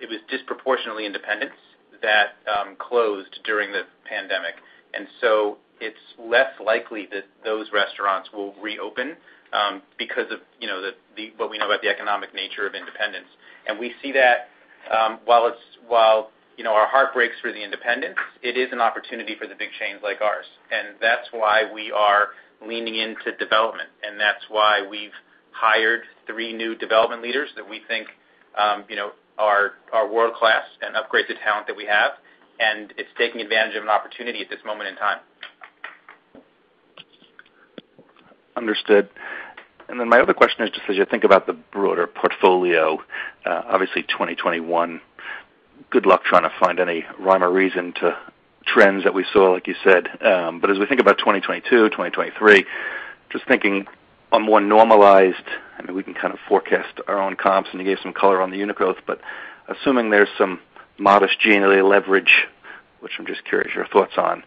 it was disproportionately independents that closed during the pandemic. It's less likely that those restaurants will reopen, because of, you know, what we know about the economic nature of independents. We see that, while, you know, our heart breaks for the independents, it is an opportunity for the big chains like ours. That's why we are leaning into development, and that's why we've hired three new development leaders that we think, you know, are world-class and upgrade the talent that we have. It's taking advantage of an opportunity at this moment in time. Understood. Then my other question is just as you think about the broader portfolio, obviously 2021, good luck trying to find any rhyme or reason to trends that we saw, like you said. As we think about 2022, 2023, just thinking on more normalized, I mean, we can kind of forecast our own comps, and you gave some color on the unit growth. Assuming there's some modest G&A leverage, which I'm just curious your thoughts on,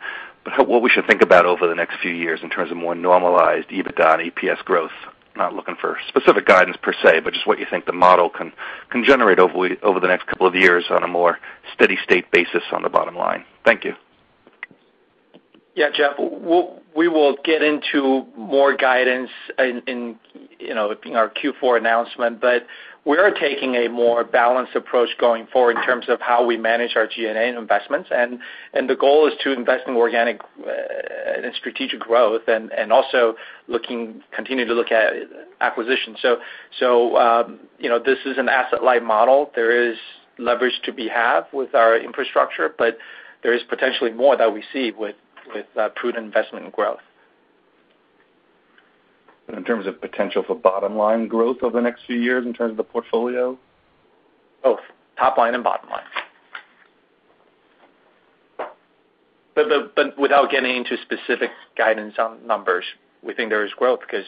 what we should think about over the next few years in terms of more normalized EBITDA and EPS growth. Not looking for specific guidance per se, but just what you think the model can generate over the next couple of years on a more steady-state basis on the bottom line. Thank you. Yeah, Jeff, we will get into more guidance, you know, in our Q4 announcement, but we are taking a more balanced approach going forward in terms of how we manage our G&A investments. The goal is to invest in organic and strategic growth and also continue to look at acquisitions. You know, this is an asset-light model. There is leverage to be had with our infrastructure, but there is potentially more that we see with prudent investment and growth. In terms of potential for bottom line growth over the next few years in terms of the portfolio? Both top line and bottom line. Without getting into specific guidance on numbers, we think there is growth because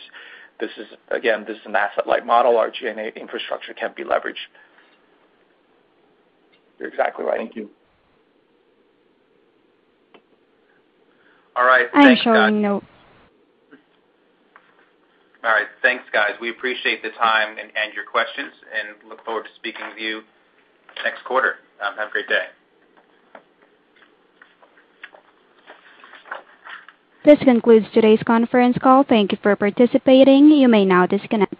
this is, again, an asset-light model. Our G&A infrastructure can be leveraged. You're exactly right. Thank you. All right. Thanks, guys. I am showing no- All right. Thanks, guys. We appreciate the time and your questions, and look forward to speaking with you next quarter. Have a great day. This concludes today's conference call. Thank you for participating. You may now disconnect.